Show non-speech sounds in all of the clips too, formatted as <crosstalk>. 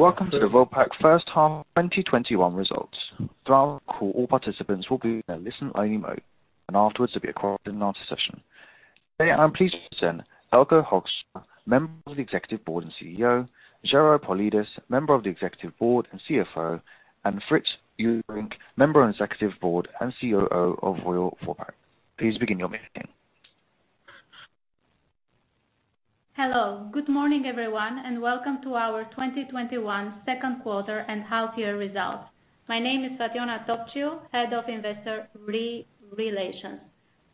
Welcome to the Vopak first half 2021 results. Throughout the call, all participants will be in a listen-only mode, and afterwards there'll be a Q&A session. Today, I'm pleased to present Eelco Hoekstra, member of the executive board and CEO, Gerard Paulides, member of the executive board and CFO, and Frits Eulderink, member of the executive board and COO of Royal Vopak. Please begin your meeting. Hello. Good morning, everyone, and welcome to our 2021 second quarter and half year results. My name is Fatjona Topciu, Head of Investor Relations.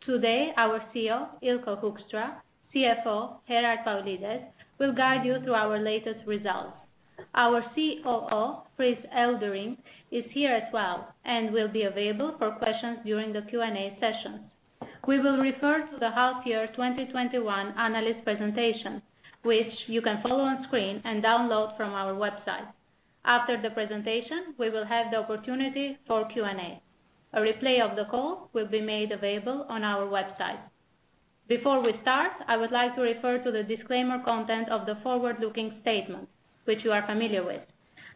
Today, our CEO, Eelco Hoekstra, CFO, Gerard Paulides, will guide you through our latest results. Our COO, Frits Eulderink, is here as well and will be available for questions during the Q&A session. We will refer to the half year 2021 analyst presentation, which you can follow on screen and download from our website. After the presentation, we will have the opportunity for Q&A. A replay of the call will be made available on our website. Before we start, I would like to refer to the disclaimer content of the forward-looking statements which you are familiar with.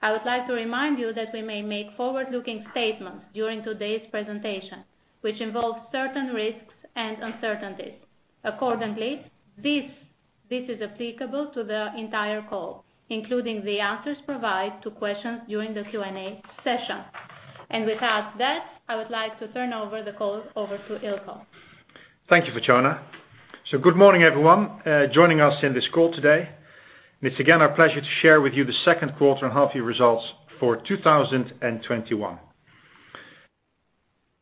I would like to remind you that we may make forward-looking statements during today's presentation, which involve certain risks and uncertainties. Accordingly, this is applicable to the entire call, including the answers provided to questions during the Q&A session. With that, I would like to turn over the call over to Eelco. Thank you, Fatjona Topciu. Good morning, everyone joining us on this call today, and it's again our pleasure to share with you the second quarter and half year results for 2021.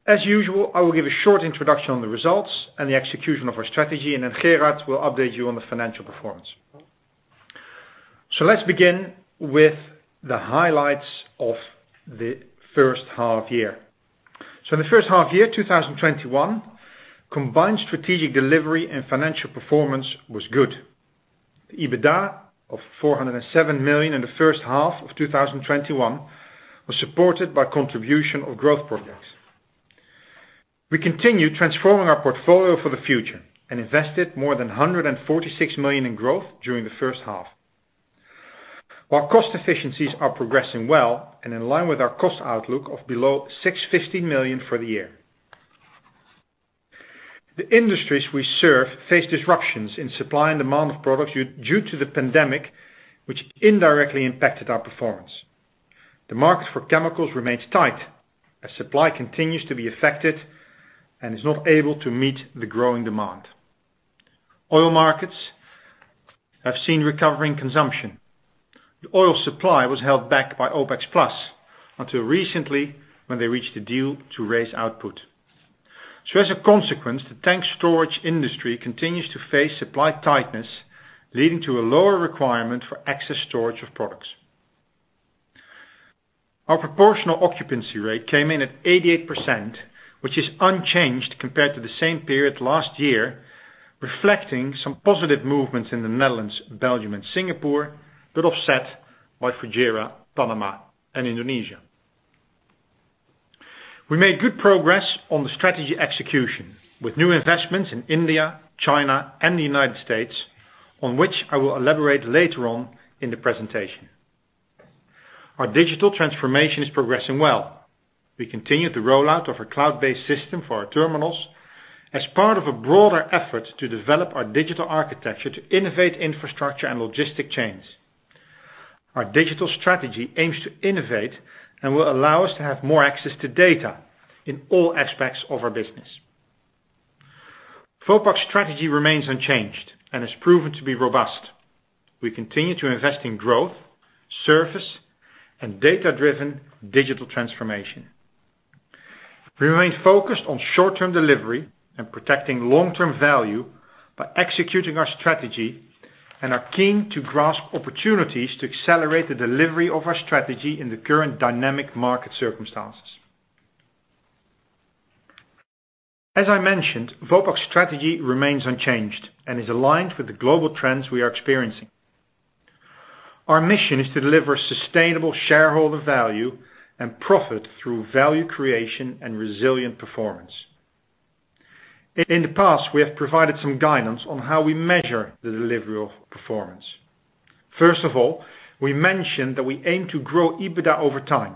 As usual, I will give a short introduction on the results and the execution of our strategy, and then Gerard will update you on the financial performance. Let's begin with the highlights of the first half year. In the first half year, 2021, combined strategic delivery and financial performance was good. The EBITDA of 407 million in the first half of 2021 was supported by contribution of growth projects. We continued transforming our portfolio for the future and invested more than $146 million in growth during the first half. While cost efficiencies are progressing well and in line with our cost outlook of below 650 million for the year. The industries we serve face disruptions in supply and demand of products due to the pandemic, which indirectly impacted our performance. The market for chemicals remains tight as supply continues to be affected and is not able to meet the growing demand. Oil markets have seen recovering consumption. The oil supply was held back by OPEC+ until recently when they reached a deal to raise output. As a consequence, the tank storage industry continues to face supply tightness, leading to a lower requirement for excess storage of products. Our proportional occupancy rate came in at 88%, which is unchanged compared to the same period last year, reflecting some positive movements in the Netherlands, Belgium, and Singapore, but offset by Fujairah, Panama, and Indonesia. We made good progress on the strategy execution with new investments in India, China, and the United States, on which I will elaborate later on in the presentation. Our digital transformation is progressing well. We continued the rollout of a cloud-based system for our terminals as part of a broader effort to develop our digital architecture to innovate infrastructure and logistic chains. Our digital strategy aims to innovate and will allow us to have more access to data in all aspects of our business. Vopak strategy remains unchanged and has proven to be robust. We continue to invest in growth, service, and data-driven digital transformation. We remain focused on short-term delivery and protecting long-term value by executing our strategy and are keen to grasp opportunities to accelerate the delivery of our strategy in the current dynamic market circumstances. As I mentioned, Vopak strategy remains unchanged and is aligned with the global trends we are experiencing. Our mission is to deliver sustainable shareholder value and profit through value creation and resilient performance. In the past, we have provided some guidance on how we measure the delivery of performance. First of all, we mentioned that we aim to grow EBITDA over time.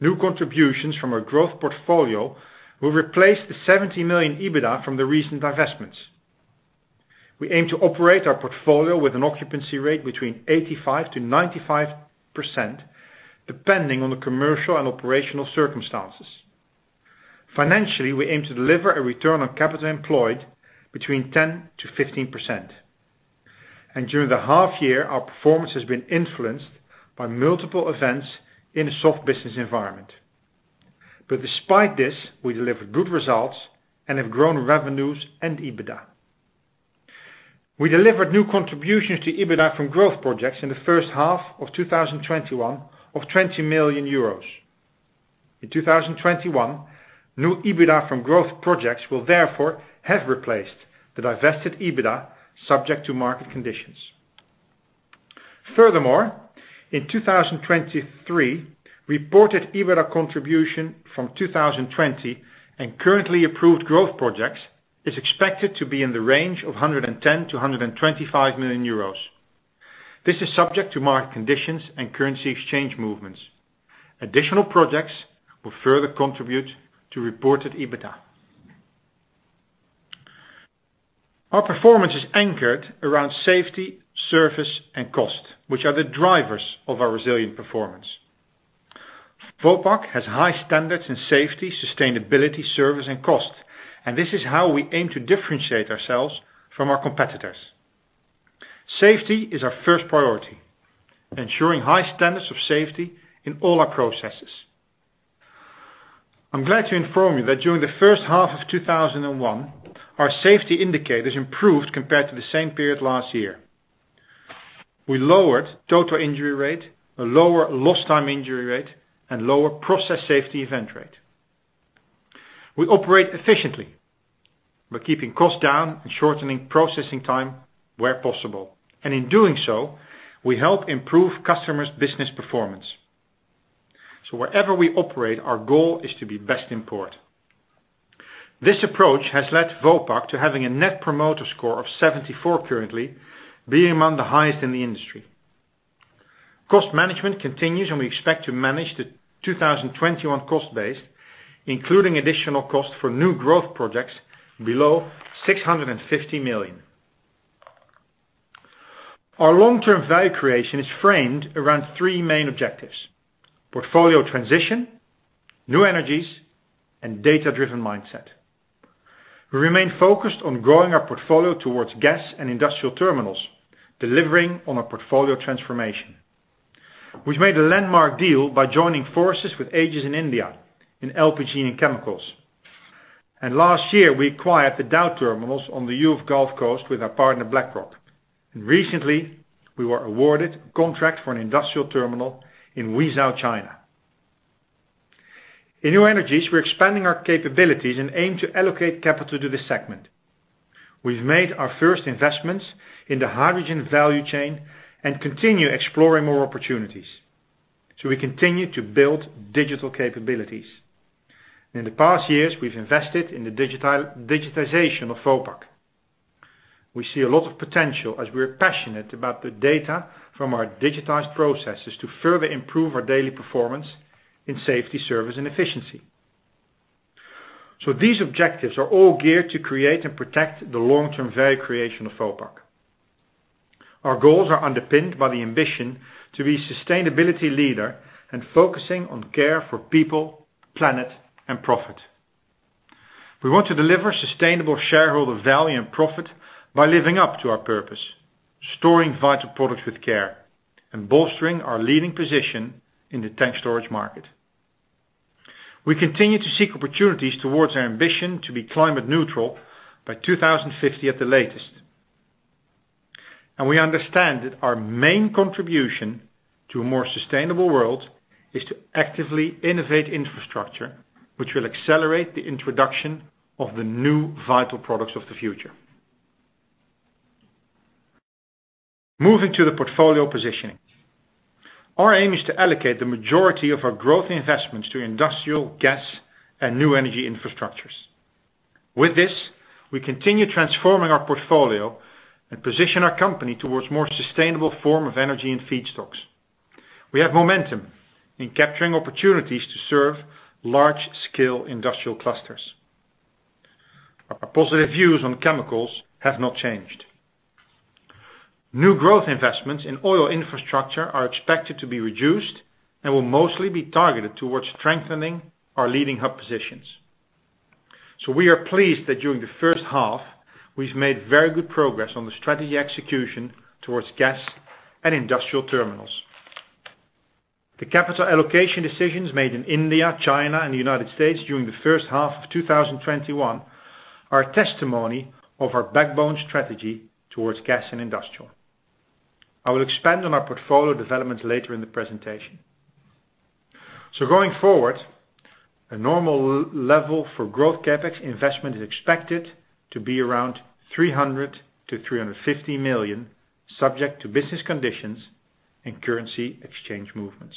New contributions from our growth portfolio will replace the 70 million EBITDA from the recent divestments. We aim to operate our portfolio with an occupancy rate between 85%-95%, depending on the commercial and operational circumstances. Financially, we aim to deliver a return on capital employed between 10%-15%. During the half year, our performance has been influenced by multiple events in a soft business environment. Despite this, we delivered good results and have grown revenues and EBITDA. We delivered new contributions to EBITDA from growth projects in the first half of 2021 of 20 million euros. In 2021, new EBITDA from growth projects will therefore have replaced the divested EBITDA subject to market conditions. Furthermore, in 2023, reported EBITDA contribution from 2020 and currently approved growth projects is expected to be in the range of 110 million-125 million euros. This is subject to market conditions and currency exchange movements. Additional projects will further contribute to reported EBITDA. Our performance is anchored around safety, service, and cost, which are the drivers of our resilient performance. Vopak has high standards in safety, sustainability, service, and cost, and this is how we aim to differentiate ourselves from our competitors. Safety is our first priority, ensuring high standards of safety in all our processes. I'm glad to inform you that during the first half of 2021, our safety indicators improved compared to the same period last year. We lowered total injury rate, a lower lost time injury rate, and lower process safety event rate. We operate efficiently by keeping costs down and shortening processing time where possible, and in doing so, we help improve customers' business performance. Wherever we operate, our goal is to be best in port. This approach has led Vopak to having a Net Promoter Score of 74 currently, being among the highest in the industry. Cost management continues. We expect to manage the 2021 cost base, including additional cost for new growth projects below 650 million. Our long-term value creation is framed around three main objectives, portfolio transition, new energies, and data-driven mindset. We remain focused on growing our portfolio towards gas and industrial terminals, delivering on a portfolio transformation. We've made a landmark deal by joining forces with Aegis in India in LPG and chemicals. Last year, we acquired the Dow terminals on the US Gulf Coast with our partner, BlackRock. Recently, we were awarded a contract for an industrial terminal in Wuzhou, China. In new energies, we're expanding our capabilities and aim to allocate capital to this segment. We've made our first investments in the hydrogen value chain and continue exploring more opportunities. We continue to build digital capabilities. In the past years, we've invested in the digitization of Vopak. We see a lot of potential as we're passionate about the data from our digitized processes to further improve our daily performance in safety, service, and efficiency. These objectives are all geared to create and protect the long-term value creation of Vopak. Our goals are underpinned by the ambition to be sustainability leader and focusing on care for people, planet, and profit. We want to deliver sustainable shareholder value and profit by living up to our purpose, storing vital products with care, and bolstering our leading position in the tank storage market. We continue to seek opportunities towards our ambition to be climate neutral by 2050 at the latest. We understand that our main contribution to a more sustainable world is to actively innovate infrastructure, which will accelerate the introduction of the new vital products of the future. Moving to the portfolio positioning. Our aim is to allocate the majority of our growth investments to industrial gas and new energy infrastructures. With this, we continue transforming our portfolio and position our company towards more sustainable form of energy and feedstocks. We have momentum in capturing opportunities to serve large-scale industrial clusters. Our positive views on chemicals have not changed. New growth investments in oil infrastructure are expected to be reduced and will mostly be targeted towards strengthening our leading hub positions. We are pleased that during the first half, we've made very good progress on the strategy execution towards gas and industrial terminals. The capital allocation decisions made in India, China, and the U.S. during the first half of 2021 are a testimony of our backbone strategy towards gas and industrial. I will expand on our portfolio developments later in the presentation. Going forward, a normal level for growth CapEx investment is expected to be around 300 million-350 million, subject to business conditions and currency exchange movements.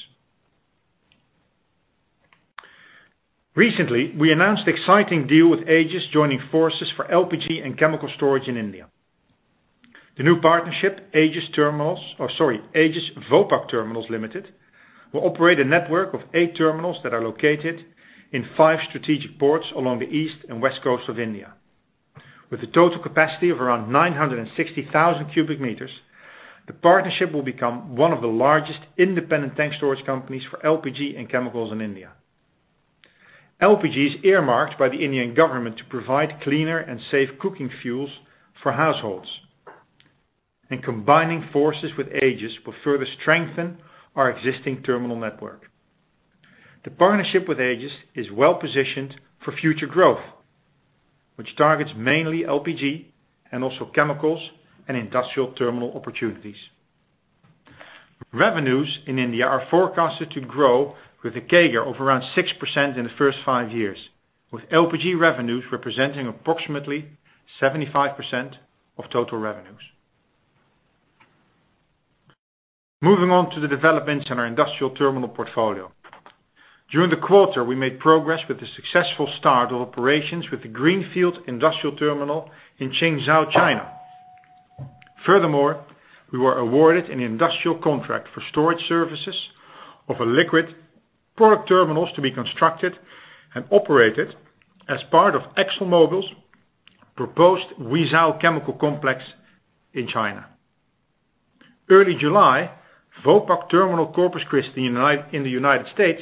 Recently, we announced exciting deal with Aegis joining forces for LPG and chemical storage in India. The new partnership, Aegis Vopak Terminals Limited, will operate a network of 8 terminals that are located in five strategic ports along the east and west coast of India. With a total capacity of around 960,000 cubic meters, the partnership will become one of the largest independent tank storage companies for LPG and chemicals in India. LPG is earmarked by the Indian government to provide cleaner and safe cooking fuels for households, and combining forces with Aegis will further strengthen our existing terminal network. The partnership with Aegis is well-positioned for future growth, which targets mainly LPG and also chemicals and industrial terminal opportunities. Revenues in India are forecasted to grow with a CAGR of around 6% in the first five years, with LPG revenues representing approximately 75% of total revenues. Moving on to the developments in our industrial terminal portfolio. During the quarter, we made progress with the successful start of operations with the greenfield industrial terminal in Qinzhou, China. Furthermore, we were awarded an industrial contract for storage services of a liquid product terminals to be constructed and operated as part of ExxonMobil's proposed Huizhou Chemical Complex in China. Early July, Vopak Terminal Corpus Christi in the U.S.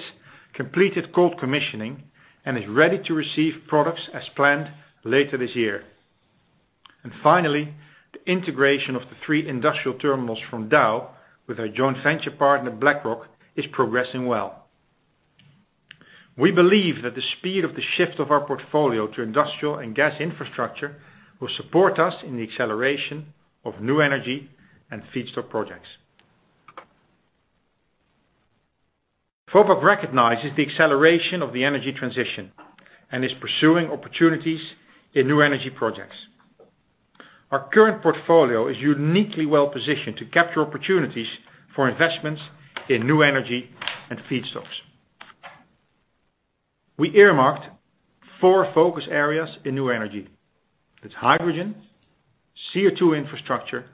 completed cold commissioning and is ready to receive products as planned later this year. Finally, the integration of the industrial terminals from Dow with our joint venture partner, BlackRock, is progressing well. We believe that the speed of the shift of our portfolio to industrial and gas infrastructure will support us in the acceleration of new energy and feedstock projects. Vopak recognizes the acceleration of the energy transition and is pursuing opportunities in new energy projects. Our current portfolio is uniquely well positioned to capture opportunities for investments in new energy and feedstocks. We earmarked four focus areas in new energy. It's hydrogen, CO₂ infrastructure,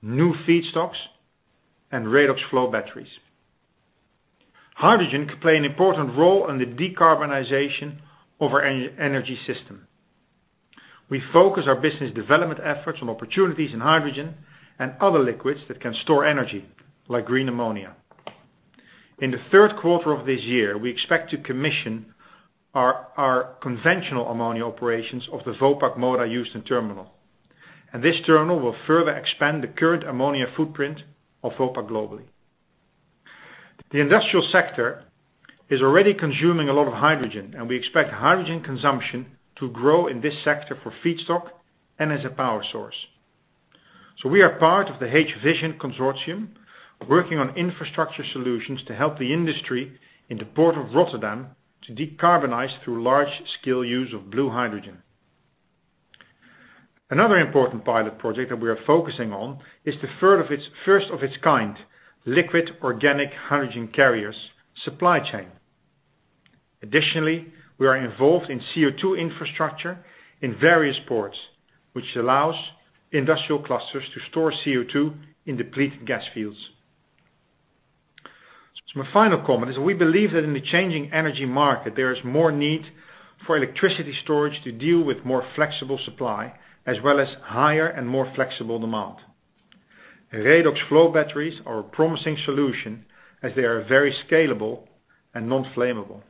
new feedstocks, and redox flow batteries. Hydrogen could play an important role in the decarbonization of our energy system. We focus our business development efforts on opportunities in hydrogen and other liquids that can store energy, like green ammonia. In the third quarter of this year, we expect to commission our conventional ammonia operations of the Vopak Moda Houston Terminal, and this terminal will further expand the current ammonia footprint of Vopak globally. The industrial sector is already consuming a lot of hydrogen, and we expect hydrogen consumption to grow in this sector for feedstock and as a power source. We are part of the H-vision consortium, working on infrastructure solutions to help the industry in the port of Rotterdam to decarbonize through large-scale use of blue hydrogen. Another important pilot project that we are focusing on is the first of its kind liquid organic hydrogen carriers supply chain. Additionally, we are involved in CO₂ infrastructure in various ports, which allows industrial clusters to store CO₂ in depleted gas fields. My final comment is we believe that in the changing energy market, there is more need for electricity storage to deal with more flexible supply as well as higher and more flexible demand. Redox flow batteries are a promising solution as they are very scalable and non-flammable.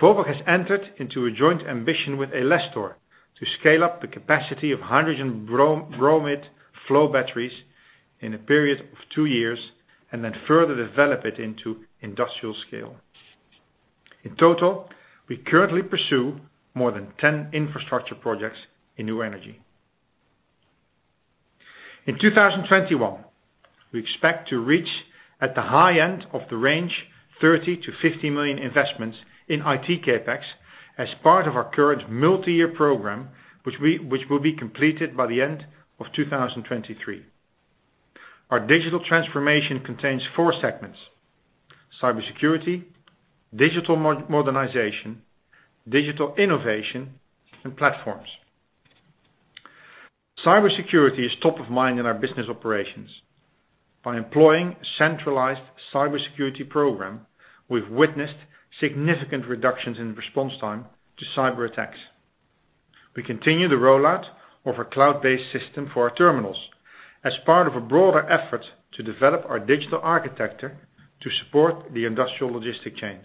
Vopak has entered into a joint ambition with Elestor to scale up the capacity of hydrogen bromide flow batteries in a period of two years and then further develop it into industrial scale. In total, we currently pursue more than 10 infrastructure projects in new energy. In 2021, we expect to reach at the high end of the range, 30 million-50 million investments in IT CapEx as part of our current multi-year program, which will be completed by the end of 2023. Our digital transformation contains four segments, cybersecurity, digital modernization, digital innovation, and platforms. Cybersecurity is top of mind in our business operations. By employing a centralized cybersecurity program, we've witnessed significant reductions in response time to cyber attacks. We continue the rollout of our cloud-based system for our terminals as part of a broader effort to develop our digital architecture to support the industrial logistic chains.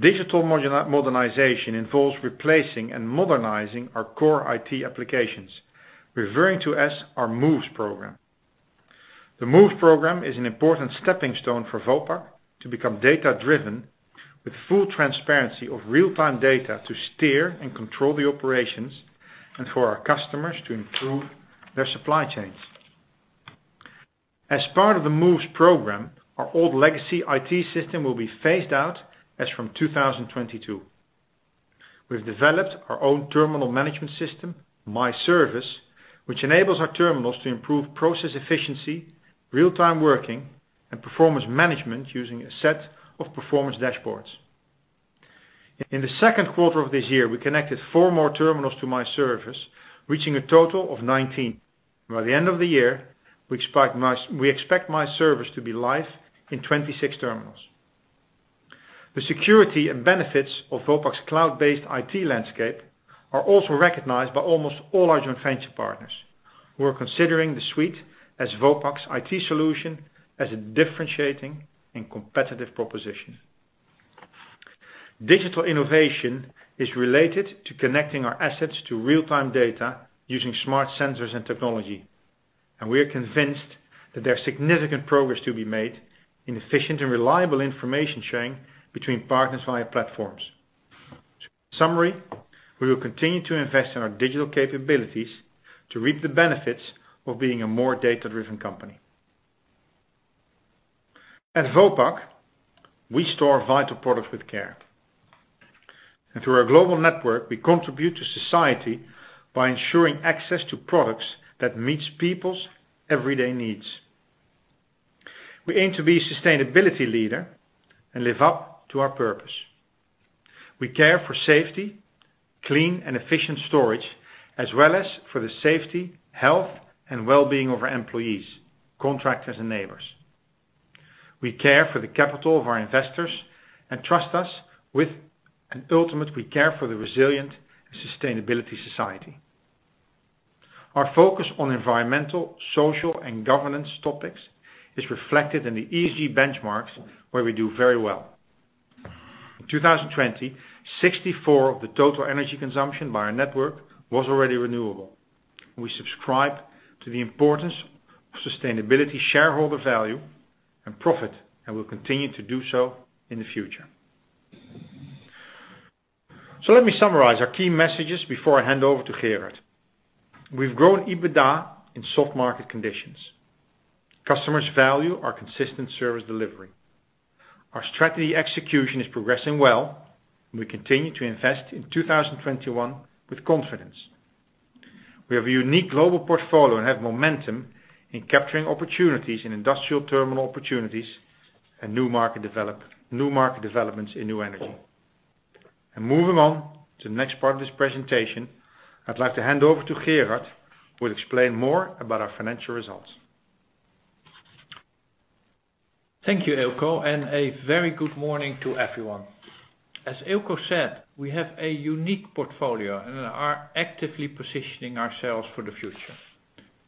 Digital modernization involves replacing and modernizing our core IT applications, referring to as our MOVES program. The MOVES program is an important stepping stone for Vopak to become data-driven with full transparency of real-time data to steer and control the operations and for our customers to improve their supply chains. As part of the MOVES program, our old legacy IT system will be phased out as from 2022. We've developed our own terminal management system, MyService, which enables our terminals to improve process efficiency, real-time working, and performance management using a set of performance dashboards. In the second quarter of this year, we connected four more terminals to MyService, reaching a total of 19. By the end of the year, we expect MyService to be live in 26 terminals. The security and benefits of Vopak's cloud-based IT landscape are also recognized by almost all our joint venture partners, who are considering the suite as Vopak's IT solution as a differentiating and competitive proposition. Digital innovation is related to connecting our assets to real-time data using smart sensors and technology. We are convinced that there are significant progress to be made in efficient and reliable information sharing between partners via platforms. Summary, we will continue to invest in our digital capabilities to reap the benefits of being a more data-driven company. At Vopak, we store vital products with care. Through our global network, we contribute to society by ensuring access to products that meet people's everyday needs. We aim to be a sustainability leader and live up to our purpose. We care for safety, clean and efficient storage, as well as for the safety, health, and well-being of our employees, contractors and neighbors. We care for the capital of our investors and trust us with, and ultimately, we care for the resilient sustainability society. Our focus on environmental, social and governance topics is reflected in the ESG benchmarks where we do very well. In 2020, 64% of the total energy consumption by our network was already renewable. Will continue to do so in the future. Let me summarize our key messages before I hand over to Gerard. We've grown EBITDA in soft market conditions. Customers value our consistent service delivery. Our strategy execution is progressing well, and we continue to invest in 2021 with confidence. We have a unique global portfolio and have momentum in capturing opportunities in industrial terminal opportunities and new market developments in new energy. Moving on to the next part of this presentation, I'd like to hand over to Gerard, who will explain more about our financial results. Thank you, Eelco, and a very good morning to everyone. As Eelco said, we have a unique portfolio and are actively positioning ourselves for the future.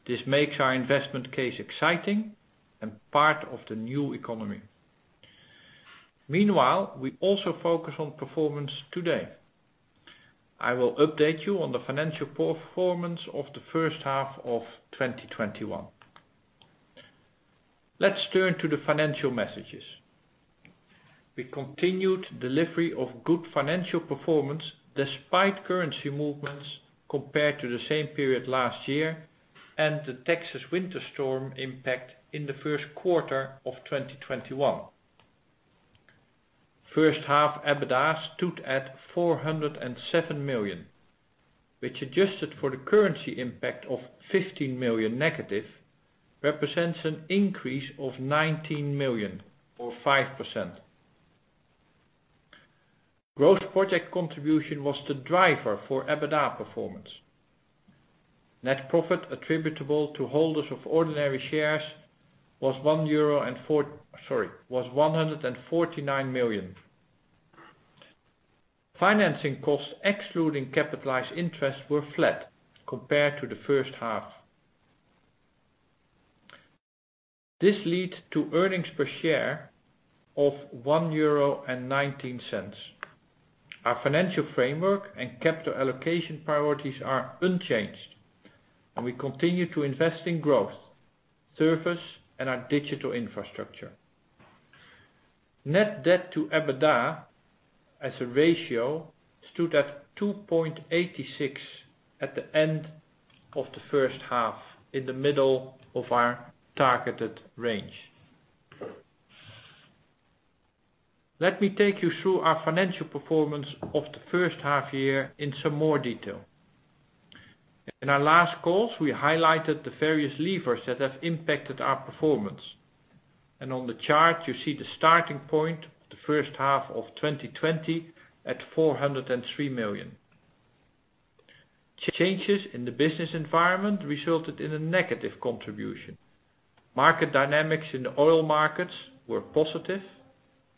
This makes our investment case exciting and part of the new economy. Meanwhile, we also focus on performance today. I will update you on the financial performance of the first half of 2021. Let's turn to the financial messages. We continued delivery of good financial performance despite currency movements compared to the same period last year and the Texas winter storm impact in the first quarter of 2021. First half EBITDA stood at 407 million, which adjusted for the currency impact of 15 million negative, represents an increase of 19 million or 5%. Growth project contribution was the driver for EBITDA performance. Net profit attributable to holders of ordinary shares was $149 million. Financing costs excluding capitalized interests were flat compared to the first half. This leads to earnings per share of 1.19 euro. Our financial framework and capital allocation priorities are unchanged, and we continue to invest in growth, service, and our digital infrastructure. Net debt to EBITDA as a ratio stood at 2.86 at the end of the first half in the middle of our targeted range. Let me take you through our financial performance of the first half year in some more detail. In our last calls, we highlighted the various levers that have impacted our performance. On the chart, you see the starting point of the first half of 2020 at 403 million. Changes in the business environment resulted in a negative contribution. Market dynamics in the oil markets were positive.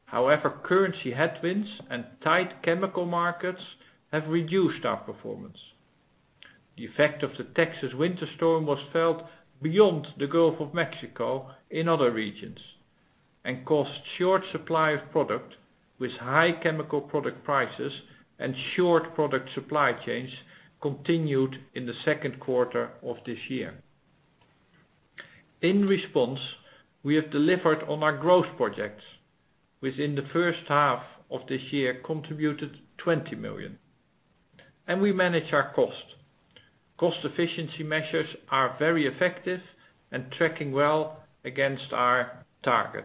However, currency headwinds and tight chemical markets have reduced our performance. The effect of the Texas winter storm was felt beyond the Gulf of Mexico in other regions and caused short supply of product with high chemical product prices and short product supply chains continued in the second quarter of this year. We have delivered on our growth projects, which in the first half of this year contributed 20 million. We manage our cost. Cost efficiency measures are very effective and tracking well against our target.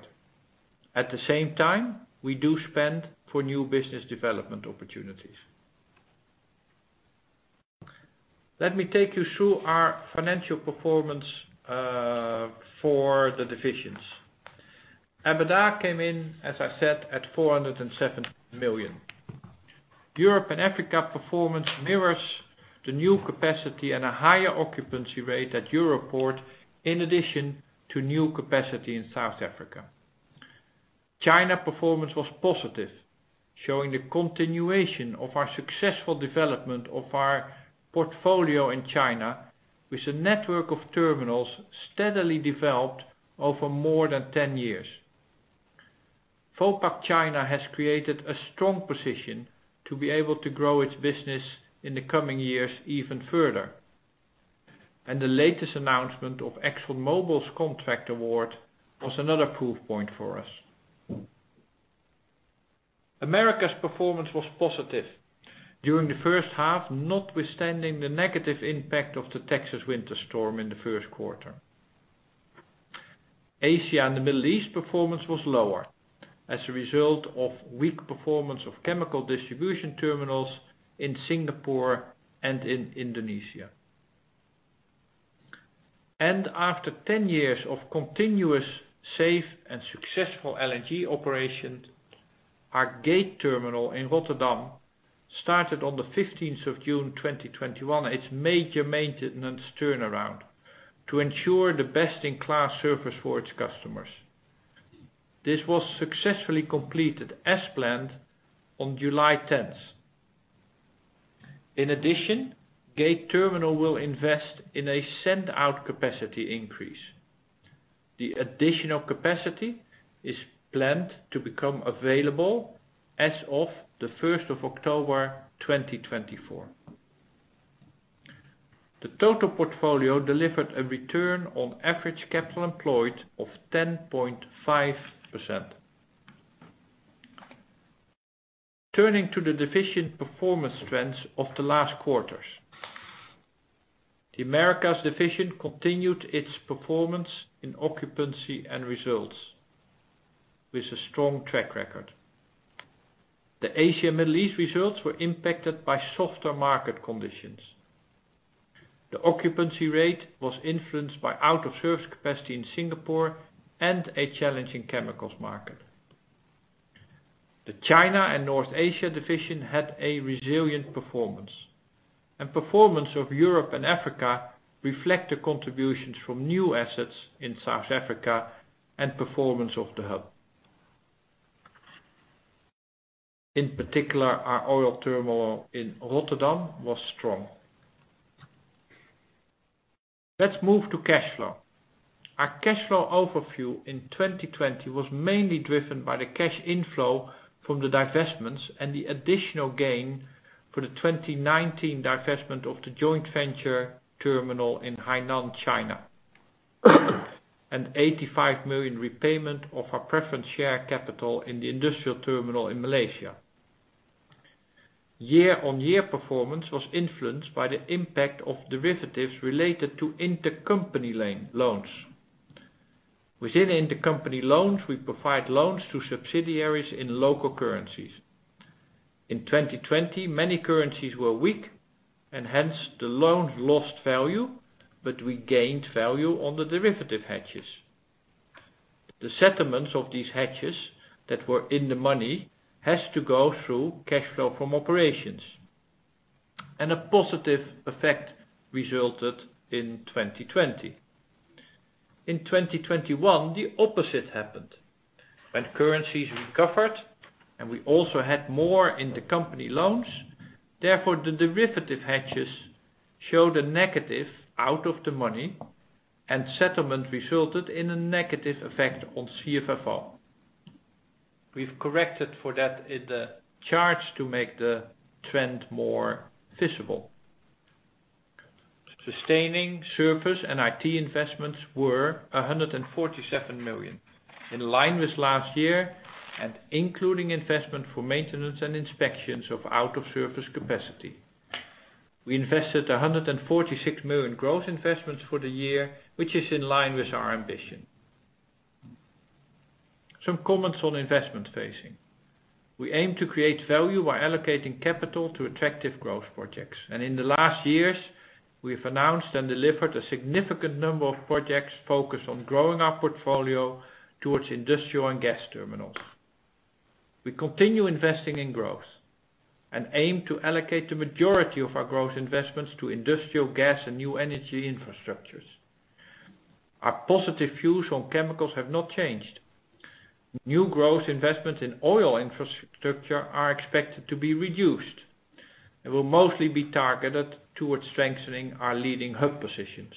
At the same time, we do spend for new business development opportunities. Let me take you through our financial performance for the divisions. EBITDA came in, as I said, at 407 million. Europe and Africa performance mirrors the new capacity and a higher occupancy rate at Europoort in addition to new capacity in South Africa. China performance was positive, showing the continuation of our successful development of our portfolio in China with a network of terminals steadily developed over more than 10 years. Vopak China has created a strong position to be able to grow its business in the coming years even further. The latest announcement of ExxonMobil's contract award was another proof point for us. America's performance was positive during the first half, notwithstanding the negative impact of the Texas winter storm in the first quarter. Asia and the Middle East performance was lower as a result of weak performance of chemical distribution terminals in Singapore and in Indonesia. After 10 years of continuous, safe, and successful LNG operations, our Gate Terminal in Rotterdam started on the 15th of June 2021, its major maintenance turnaround to ensure the best-in-class service for its customers. This was successfully completed as planned on July 10th. In addition, Gate terminal will invest in a send-out capacity increase. The additional capacity is planned to become available as of the 1st of October 2024. The total portfolio delivered a return on average capital employed of 10.5%. Turning to the division performance trends of the last quarters, the Americas division continued its performance in occupancy and results with a strong track record. The Asia and Middle East results were impacted by softer market conditions. The occupancy rate was influenced by out-of-service capacity in Singapore and a challenging chemicals market. The China and North Asia division had a resilient performance, and performance of Europe and Africa reflect the contributions from new assets in South Africa and performance of the hub. In particular, our oil terminal in Rotterdam was strong. Let's move to cash flow. Our cash flow overview in 2020 was mainly driven by the cash inflow from the divestments and the additional gain for the 2019 divestment of the joint venture terminal in Hainan, China, and 85 million repayment of our preference share capital in the industrial terminal in Malaysia. Year-on-year performance was influenced by the impact of derivatives related to intercompany loans. Within intercompany loans, we provide loans to subsidiaries in local currencies. In 2020, many currencies were weak, and hence the loans lost value, but we gained value on the derivative hedges. The settlements of these hedges that were in the money has to go through cash flow from operations, and a positive effect resulted in 2020. In 2021, the opposite happened. When currencies recovered, we also had more intercompany loans, therefore, the derivative hedges showed a negative out of the money, and settlement resulted in a negative effect on CFFO. We've corrected for that in the charts to make the trend more visible. Sustaining service and IT investments were 147 million, in line with last year and including investment for maintenance and inspections of out-of-service capacity. We invested $146 million growth investments for the year, which is in line with our ambition. Some comments on investment phasing. We aim to create value by allocating capital to attractive growth projects. In the last years, we've announced and delivered a significant number of projects focused on growing our portfolio towards industrial and gas terminals. We continue investing in growth and aim to allocate the majority of our growth investments to industrial gas and new energy infrastructures. Our positive views on chemicals have not changed. New growth investments in oil infrastructure are expected to be reduced. They will mostly be targeted towards strengthening our leading hub positions.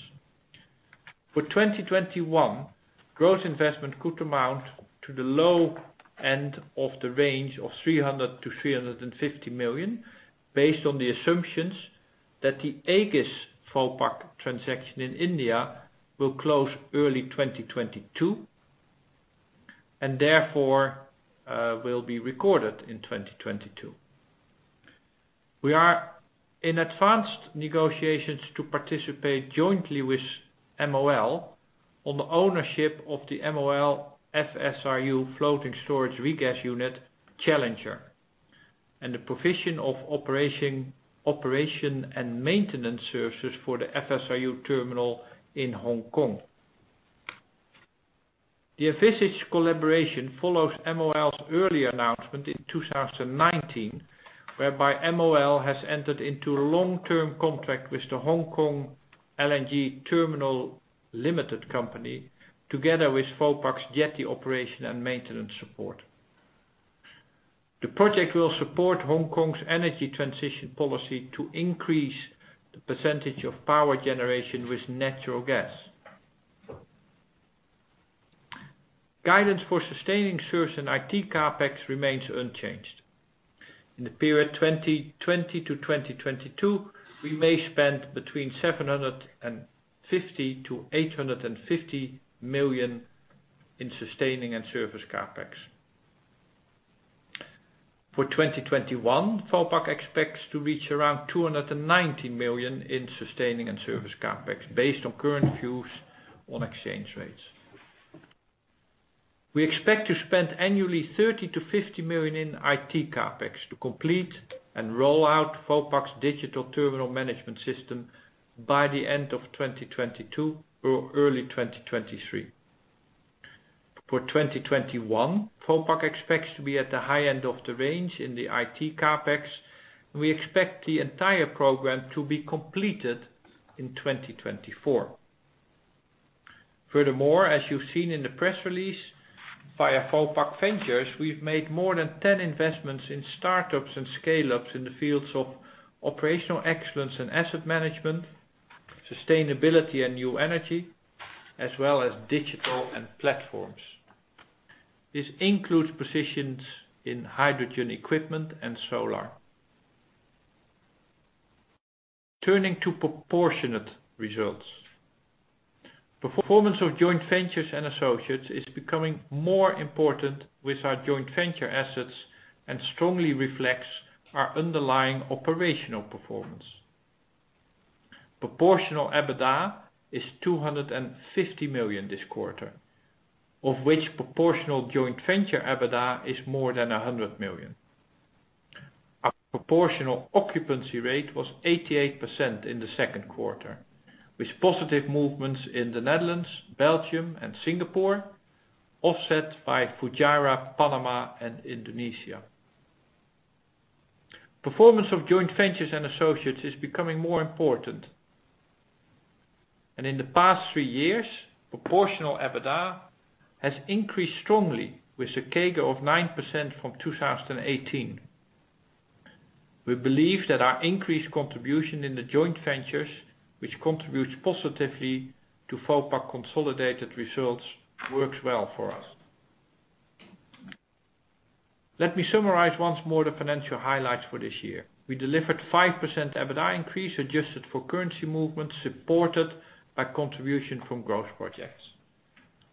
For 2021, growth investment could amount to the low end of the range of $300 million-$350 million based on the assumptions that the Aegis Vopak transaction in India will close early 2022, and therefore, will be recorded in 2022. We are in advanced negotiations to participate jointly with MOL on the ownership of the MOL FSRU floating storage regas unit, Challenger, and the provision of operation and maintenance services for the FSRU terminal in Hong Kong. The envisaged collaboration follows MOL's early announcement in 2019, whereby MOL has entered into a long-term contract with the Hong Kong LNG Terminal Limited, together with Vopak's jetty operation and maintenance support. The project will support Hong Kong's energy transition policy to increase the percentage of power generation with natural gas. Guidance for sustaining service and IT CapEx remains unchanged. In the period 2020-2022, we may spend between 750 million-850 million in sustaining and service CapEx. For 2021, Vopak expects to reach around 290 million in sustaining and service CapEx based on current views on exchange rates. We expect to spend annually 30 million-50 million in IT CapEx to complete and roll out Vopak's digital terminal management system by the end of 2022 or early 2023. For 2021, Vopak expects to be at the high end of the range in the IT CapEx. We expect the entire program to be completed in 2024. Furthermore, as you've seen in the press release via Vopak Ventures, we've made more than 10 investments in startups and scale-ups in the fields of operational excellence and asset management, sustainability and new energy, as well as digital and platforms. This includes positions in hydrogen equipment and solar. Turning to proportionate results. Performance of joint ventures and associates is becoming more important with our joint venture assets and strongly reflects our underlying operational performance. Proportional EBITDA is 250 million this quarter, of which proportional joint venture EBITDA is more than 100 million. Our proportional occupancy rate was 88% in the second quarter, with positive movements in the Netherlands, Belgium, and Singapore, offset by Fujairah, Panama, and Indonesia. Performance of joint ventures and associates is becoming more important. In the past three years, proportional EBITDA has increased strongly with a CAGR of 9% from 2018. We believe that our increased contribution in the joint ventures, which contributes positively to Vopak consolidated results, works well for us. Let me summarize once more the financial highlights for this year. We delivered 5% EBITDA increase adjusted for currency movements, supported by contribution from growth projects.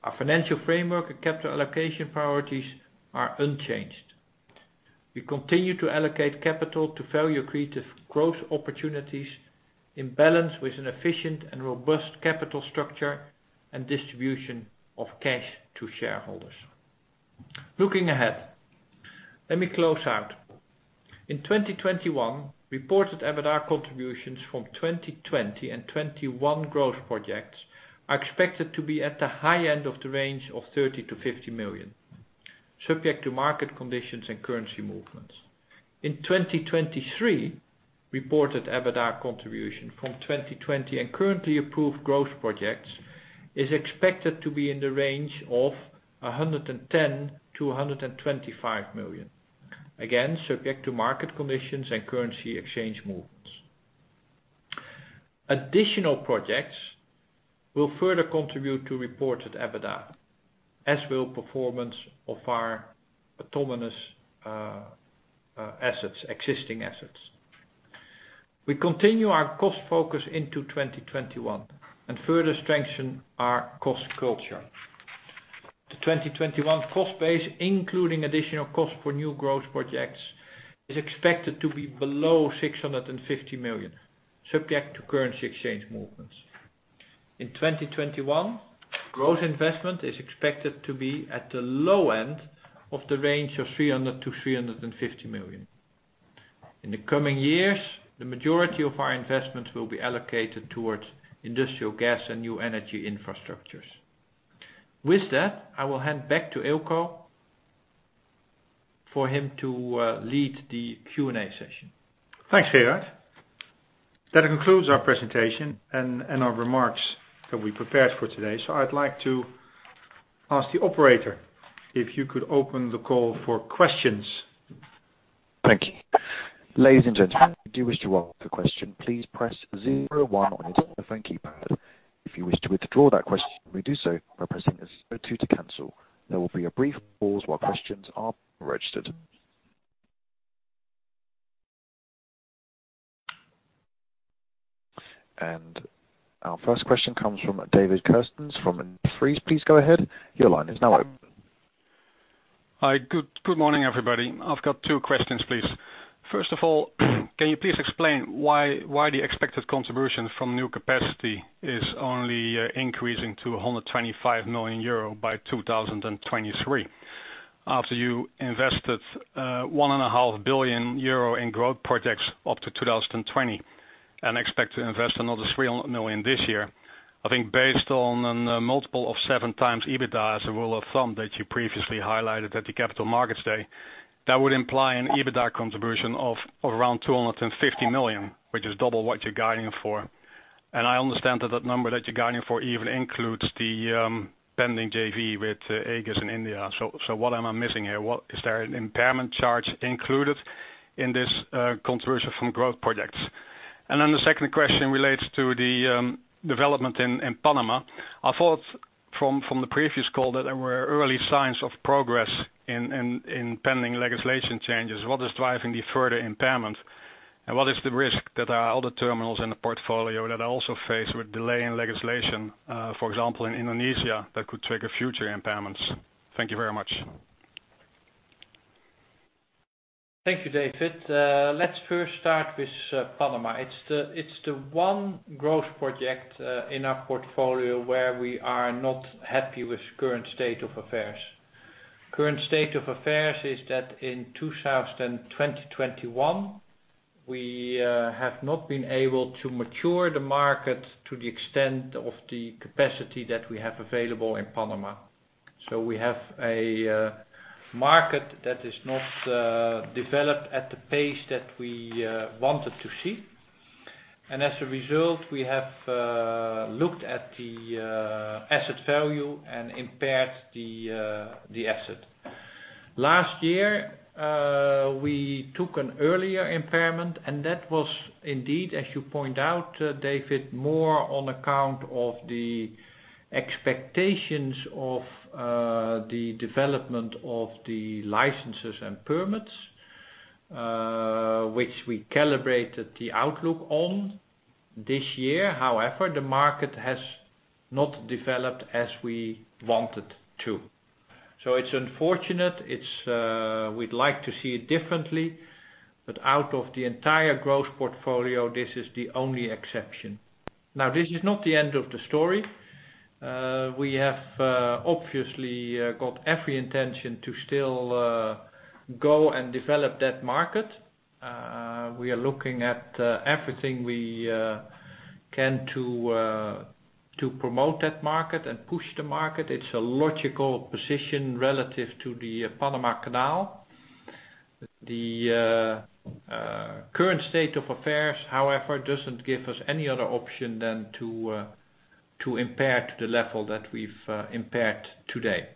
Our financial framework and capital allocation priorities are unchanged. We continue to allocate capital to value-accretive growth opportunities in balance with an efficient and robust capital structure and distribution of cash to shareholders. Looking ahead, let me close out. In 2021, reported EBITDA contributions from 2020 and 2021 growth projects are expected to be at the high end of the range of 30 million-50 million, subject to market conditions and currency movements. In 2023, reported EBITDA contribution from 2020 and currently approved growth projects is expected to be in the range of 110 million-125 million, again, subject to market conditions and currency exchange movements. Additional projects will further contribute to reported EBITDA, as will performance of our autonomous assets, existing assets. We continue our cost focus into 2021 and further strengthen our cost culture. The 2021 cost base, including additional cost for new growth projects, is expected to be below 650 million, subject to currency exchange movements. In 2021, growth investment is expected to be at the low end of the range of 300 million-350 million. In the coming years, the majority of our investments will be allocated towards industrial gas and new energy infrastructures. With that, I will hand back to Eelco for him to lead the Q&A session. Thanks, Gerard. That concludes our presentation and our remarks that we prepared for today. I'd like to ask the operator if you could open the call for questions. Thank you. Ladies and gentlemen, if you do wish to ask a question, please press zero one on your telephone keypad. If you wish to withdraw that question, you may do so by pressing zero two to cancel. There will be a brief pause while questions are registered. Our first question comes from David Kerstens from Jefferies. Please go ahead. Your line is now open. Hi. Good morning, everybody. I've got two questions, please. First of all, can you please explain why the expected contribution from new capacity is only increasing to 125 million euro by 2023 after you invested 1.5 billion euro in growth projects up to 2020 and expect to invest another 300 million this year? I think based on a multiple of 7x EBITDA as a rule of thumb that you previously highlighted at the Capital Markets Day, that would imply an EBITDA contribution of around 250 million, which is double what you're guiding for. I understand that that number that you're guiding for even includes the pending JV with Aegis in India. What am I missing here? Is there an impairment charge included in this contribution from growth projects? The second question relates to the development in Panama. I thought from the previous call that there were early signs of progress in pending legislation changes. What is driving the further impairment and what is the risk that our other terminals in the portfolio that are also faced with delay in legislation, for example, in Indonesia, that could trigger future impairments? Thank you very much. Thank you, David. Let's first start with Panama. It's the one growth project in our portfolio where we are not happy with current state of affairs. Current state of affairs is that in 2021, we have not been able to mature the market to the extent of the capacity that we have available in Panama. We have a market that is not developed at the pace that we wanted to see. As a result, we have looked at the asset value and impaired the asset. Last year, we took an earlier impairment, and that was indeed, as you point out, David, more on account of the expectations of the development of the licenses and permits, which we calibrated the outlook on this year. However, the market has not developed as we wanted to. It's unfortunate. We'd like to see it differently. Out of the entire growth portfolio, this is the only exception. This is not the end of the story. We have obviously got every intention to still go and develop that market. We are looking at everything we can to promote that market and push the market. It's a logical position relative to the Panama Canal. The current state of affairs, however, doesn't give us any other option than to impair to the level that we've impaired today.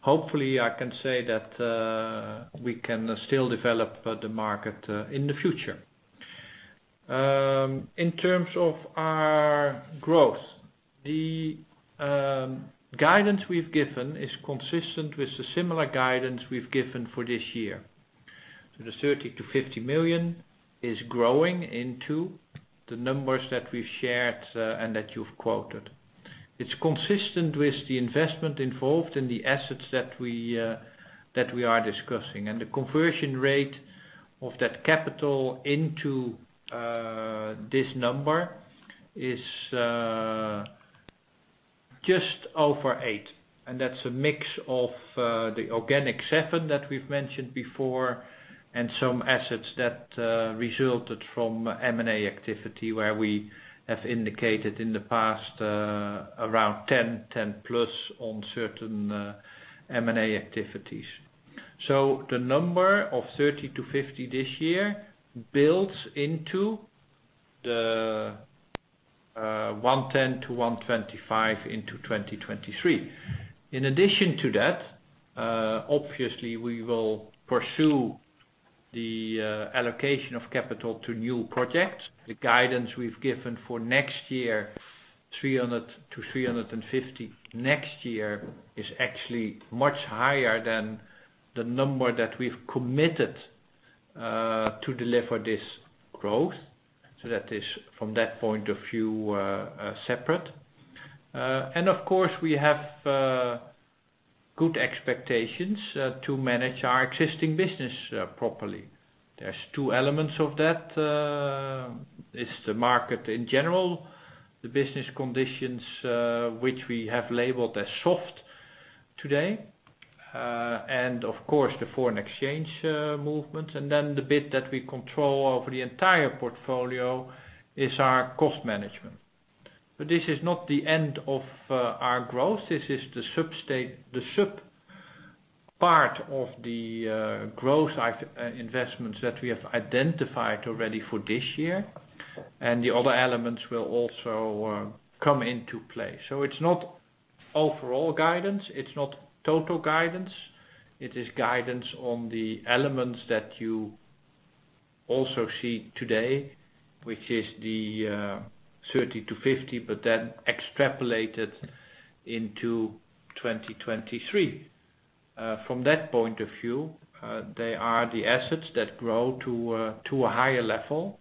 Hopefully, I can say that we can still develop the market in the future. In terms of our growth, the guidance we've given is consistent with the similar guidance we've given for this year. The 30 million-50 million is growing into the numbers that we've shared and that you've quoted. It's consistent with the investment involved in the assets that we are discussing. The conversion rate of that capital into this number is just over 8. That's a mix of the organic 7 that we've mentioned before and some assets that resulted from M&A activity where we have indicated in the past around 10+ on certain M&A activities. The number of 30-50 this year builds into the 110-125 into 2023. In addition to that, obviously we will pursue the allocation of capital to new projects. The guidance we've given for next year, 300-350 next year, is actually much higher than the number that we've committed to deliver this growth. That is from that point of view, separate. Of course, we have good expectations to manage our existing business properly. There's two elements of that. It's the market in general, the business conditions, which we have labeled as soft today, the foreign exchange movement, the bit that we control over the entire portfolio is our cost management. This is not the end of our growth. This is the sub-part of the growth investments that we have identified already for this year, the other elements will also come into play. It's not overall guidance, it's not total guidance. It is guidance on the elements that you also see today, which is the 30-50, extrapolated into 2023. From that point of view, they are the assets that grow to a higher level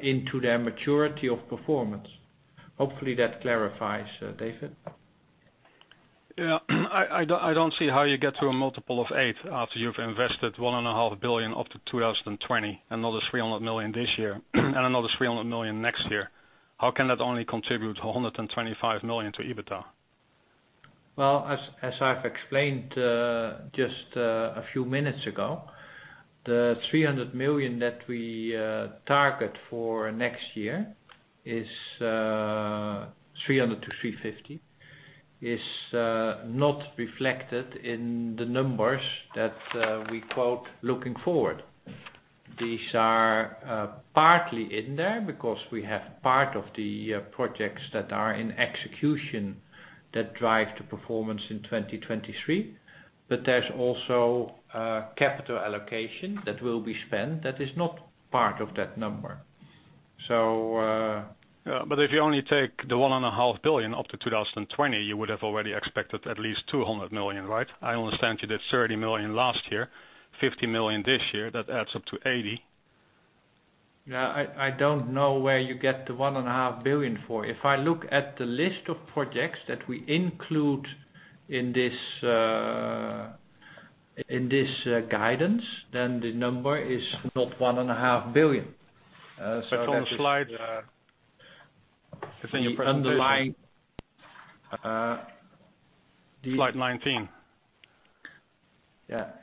into their maturity of performance. Hopefully, that clarifies, David. Yeah. I don't see how you get to a multiple of 8 after you've invested 1.5 billion up to 2020, another 300 million this year, and another 300 million next year. How can that only contribute 125 million to EBITDA? Well, as I've explained just a few minutes ago, the 300 million that we target for next year, 300 million-350 million, is not reflected in the numbers that we quote looking forward. These are partly in there because we have part of the projects that are in execution that drive the performance in 2023. There's also a capital allocation that will be spent that is not part of that number. If you only take the 1.5 billion up to 2020, you would have already expected at least 200 million, right? I understand you did 30 million last year, 50 million this year. That adds up to 80 million. Yeah. I don't know where you get the 1.5 billion for. If I look at the list of projects that we include in this guidance, the number is not 1.5 billion. On the slide 19. Yeah,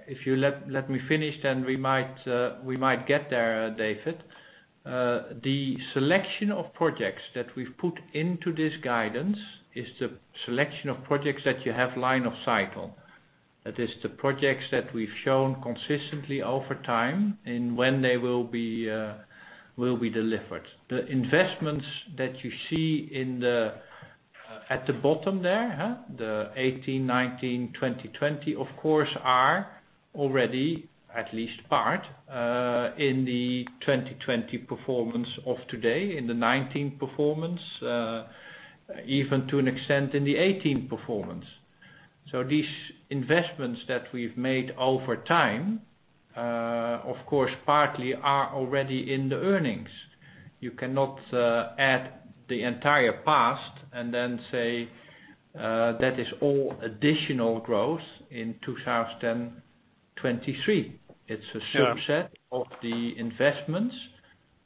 if you let me finish, then we might get there, David. The selection of projects that we've put into this guidance is the selection of projects that you have line of sight on. That is the projects that we've shown consistently over time in when they will be delivered. The investments that you see at the bottom there, the 2018, 2019, 2020, of course, are already at least part, in the 2020 performance of today, in the 2019 performance, even to an extent in the 2018 performance. These investments that we've made over time, of course, partly are already in the earnings. You cannot add the entire past and then say that is all additional growth in 2023. It's a subset of the investments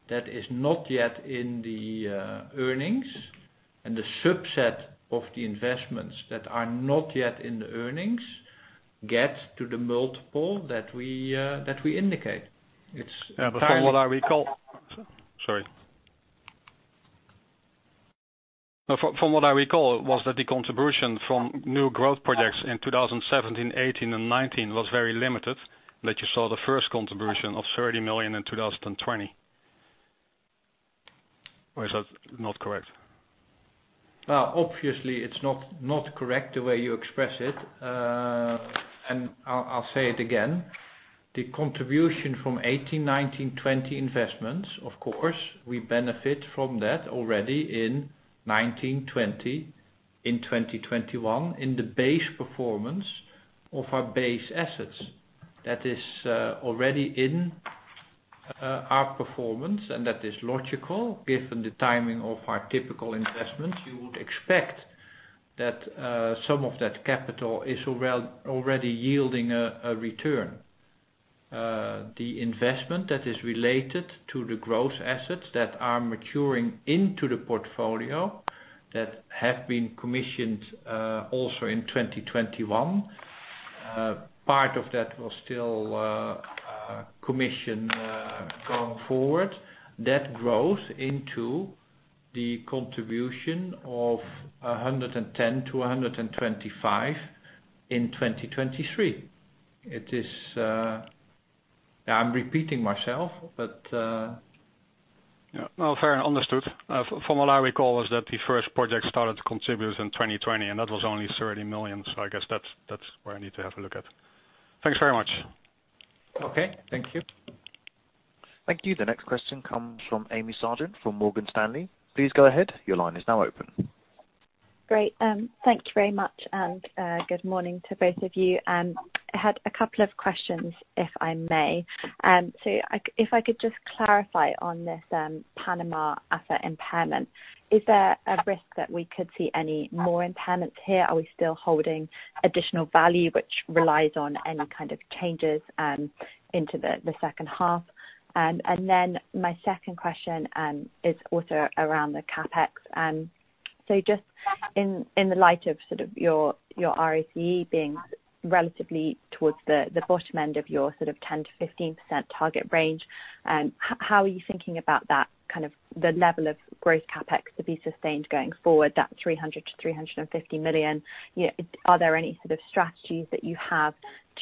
that is not yet in the earnings. The subset of the investments that are not yet in the earnings get to the multiple that we indicate. Sorry. From what I recall was that the contribution from new growth projects in 2017, 2018, and 2019 was very limited, that you saw the first contribution of 30 million in 2020. Is that not correct? Obviously, it's not correct the way you express it. I'll say it again. The contribution from 2018, 2019, 2020 investments, of course, we benefit from that already in 2019, 2020, in 2021, in the base performance of our base assets. That is already in our performance, and that is logical given the timing of our typical investments. You would expect that some of that capital is already yielding a return. The investment that is related to the growth assets that are maturing into the portfolio that have been commissioned also in 2021, part of that will still commission going forward. That grows into the contribution of 110-125 in 2023. I'm repeating myself. Yeah. No, fair, understood. From what I recall was that the first project started to contribute in 2020, and that was only 30 million. I guess that's where I need to have a look at. Thanks very much. Okay. Thank you. Thank you. The next question comes from Amy Sargent from Morgan Stanley. Great. Thank you very much, and good morning to both of you. I had a couple of questions, if I may. If I could just clarify on this Panama asset impairment, is there a risk that we could see any more impairments here? Are we still holding additional value, which relies on any kind of changes into the second half? My second question is also around the CapEx. Just in the light of your ROCE being relatively towards the bottom end of your 10%-15% target range, how are you thinking about that, the level of growth CapEx to be sustained going forward, that 300 million-350 million? Are there any sort of strategies that you have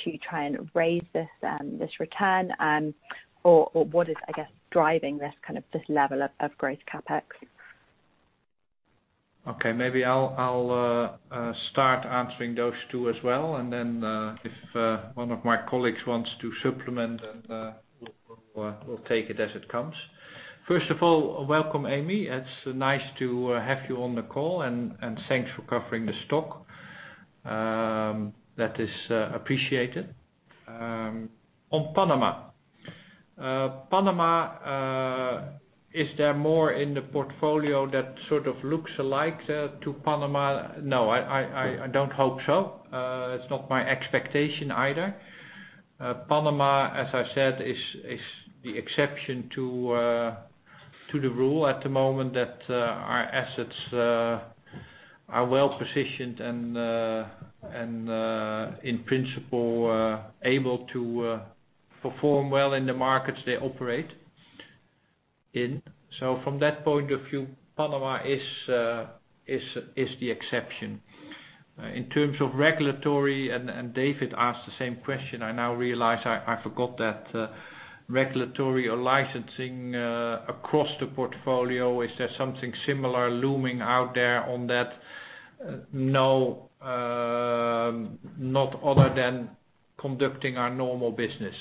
to try and raise this return? What is, I guess, driving this level of growth CapEx? Okay. Maybe I'll start answering those two as well. If one of my colleagues wants to supplement, we'll take it as it comes. First of all, welcome, Amy. It's nice to have you on the call. Thanks for covering the stock. That is appreciated. On Panama. Panama, is there more in the portfolio that sort of looks alike to Panama? No, I don't hope so. It's not my expectation either. Panama, as I said, is the exception to the rule at the moment that our assets are well-positioned and, in principle, able to perform well in the markets they operate in. From that point of view, Panama is the exception. In terms of regulatory, David asked the same question. I now realize I forgot that regulatory or licensing across the portfolio, is there something similar looming out there on that? Not other than conducting our normal business.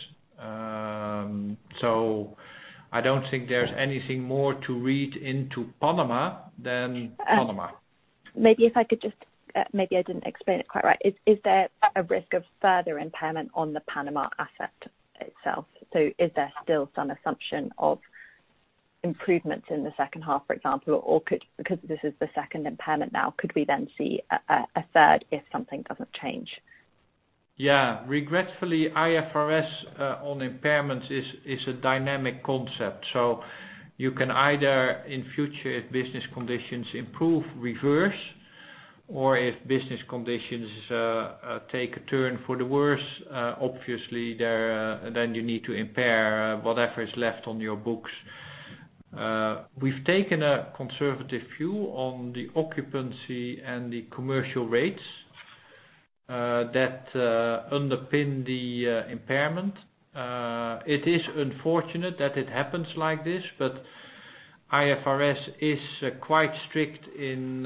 I don't think there's anything more to read into Panama than Panama. Maybe I didn't explain it quite right. Is there a risk of further impairment on the Panama asset itself? Is there still some assumption of improvements in the second half, for example? Because this is the second impairment now, could we then see a third if something doesn't change? Yeah. Regretfully, IFRS on impairments is a dynamic concept. You can either, in future, if business conditions improve, reverse, or if business conditions take a turn for the worse, obviously, you need to impair whatever is left on your books. We've taken a conservative view on the occupancy and the commercial rates that underpin the impairment. It is unfortunate that it happens like this, IFRS is quite strict in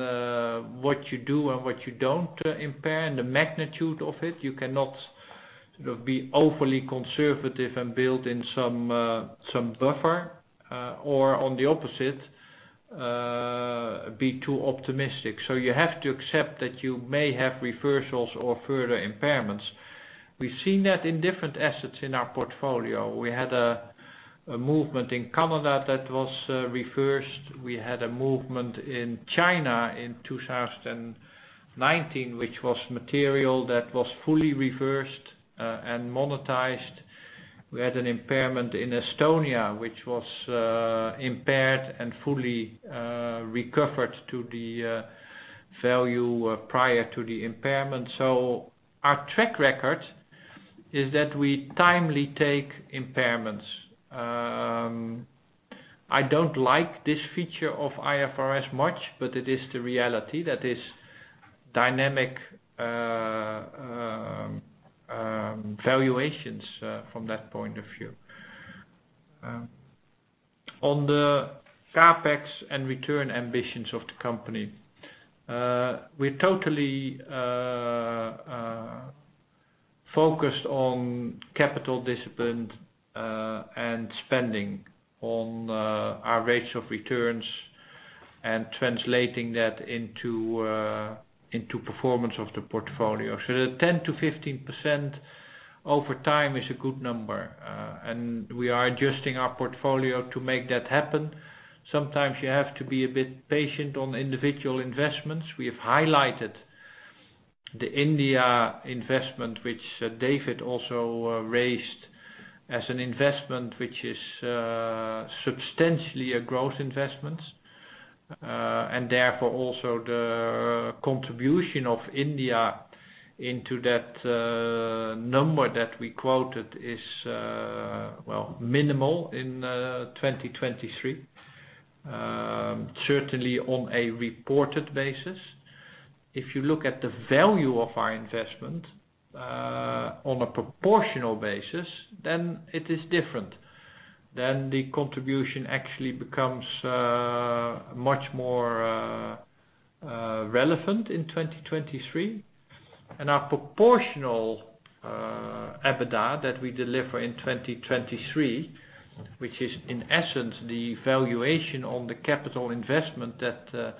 what you do and what you don't impair, and the magnitude of it. You cannot sort of be overly conservative and build in some buffer, or on the opposite, be too optimistic. You have to accept that you may have reversals or further impairments. We've seen that in different assets in our portfolio. We had a movement in Canada that was reversed. We had a movement in China in 2019, which was material that was fully reversed and monetized. We had an impairment in Estonia, which was impaired and fully recovered to the value prior to the impairment. Our track record is that we timely take impairments. I don't like this feature of IFRS much, but it is the reality that is dynamic valuations from that point of view. On the CapEx and return ambitions of the company, we're totally focused on capital discipline and spending on our rates of returns and translating that into performance of the portfolio. The 10%-15% over time is a good number, and we are adjusting our portfolio to make that happen. Sometimes you have to be a bit patient on individual investments. We have highlighted the India investment, which David also raised as an investment which is substantially a growth investment. Therefore, also the contribution of India into that number that we quoted is minimal in 2023. Certainly on a reported basis. If you look at the value of our investment on a proportional basis, then it is different. The contribution actually becomes much more relevant in 2023. Our proportional EBITDA that we deliver in 2023, which is in essence the valuation on the capital investment that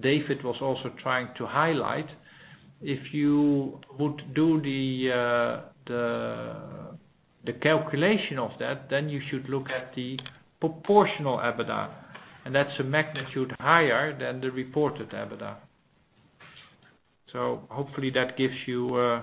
David was also trying to highlight. If you would do the calculation of that, then you should look at the proportional EBITDA, and that's a magnitude higher than the reported EBITDA. Hopefully that gives you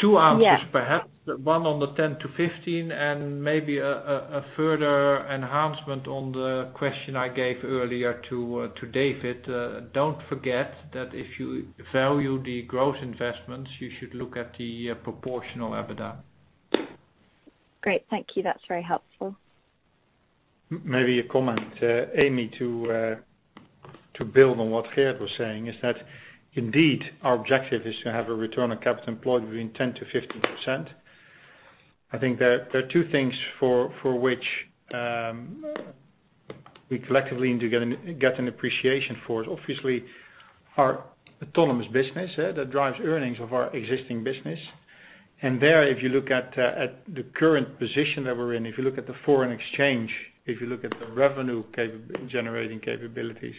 two answers perhaps. Yeah. One on the 10-15, and maybe a further enhancement on the question I gave earlier to David. Don't forget that if you value the growth investments, you should look at the proportional EBITDA. Great. Thank you. That's very helpful. Maybe a comment, Amy, to build on what Gerard was saying, is that indeed, our objective is to have a return on capital employed between 10%-15%. I think there are two things for which we collectively need to get an appreciation for. Obviously, our autonomous business that drives earnings of our existing business. There, if you look at the current position that we're in, if you look at the foreign exchange, if you look at the revenue generating capabilities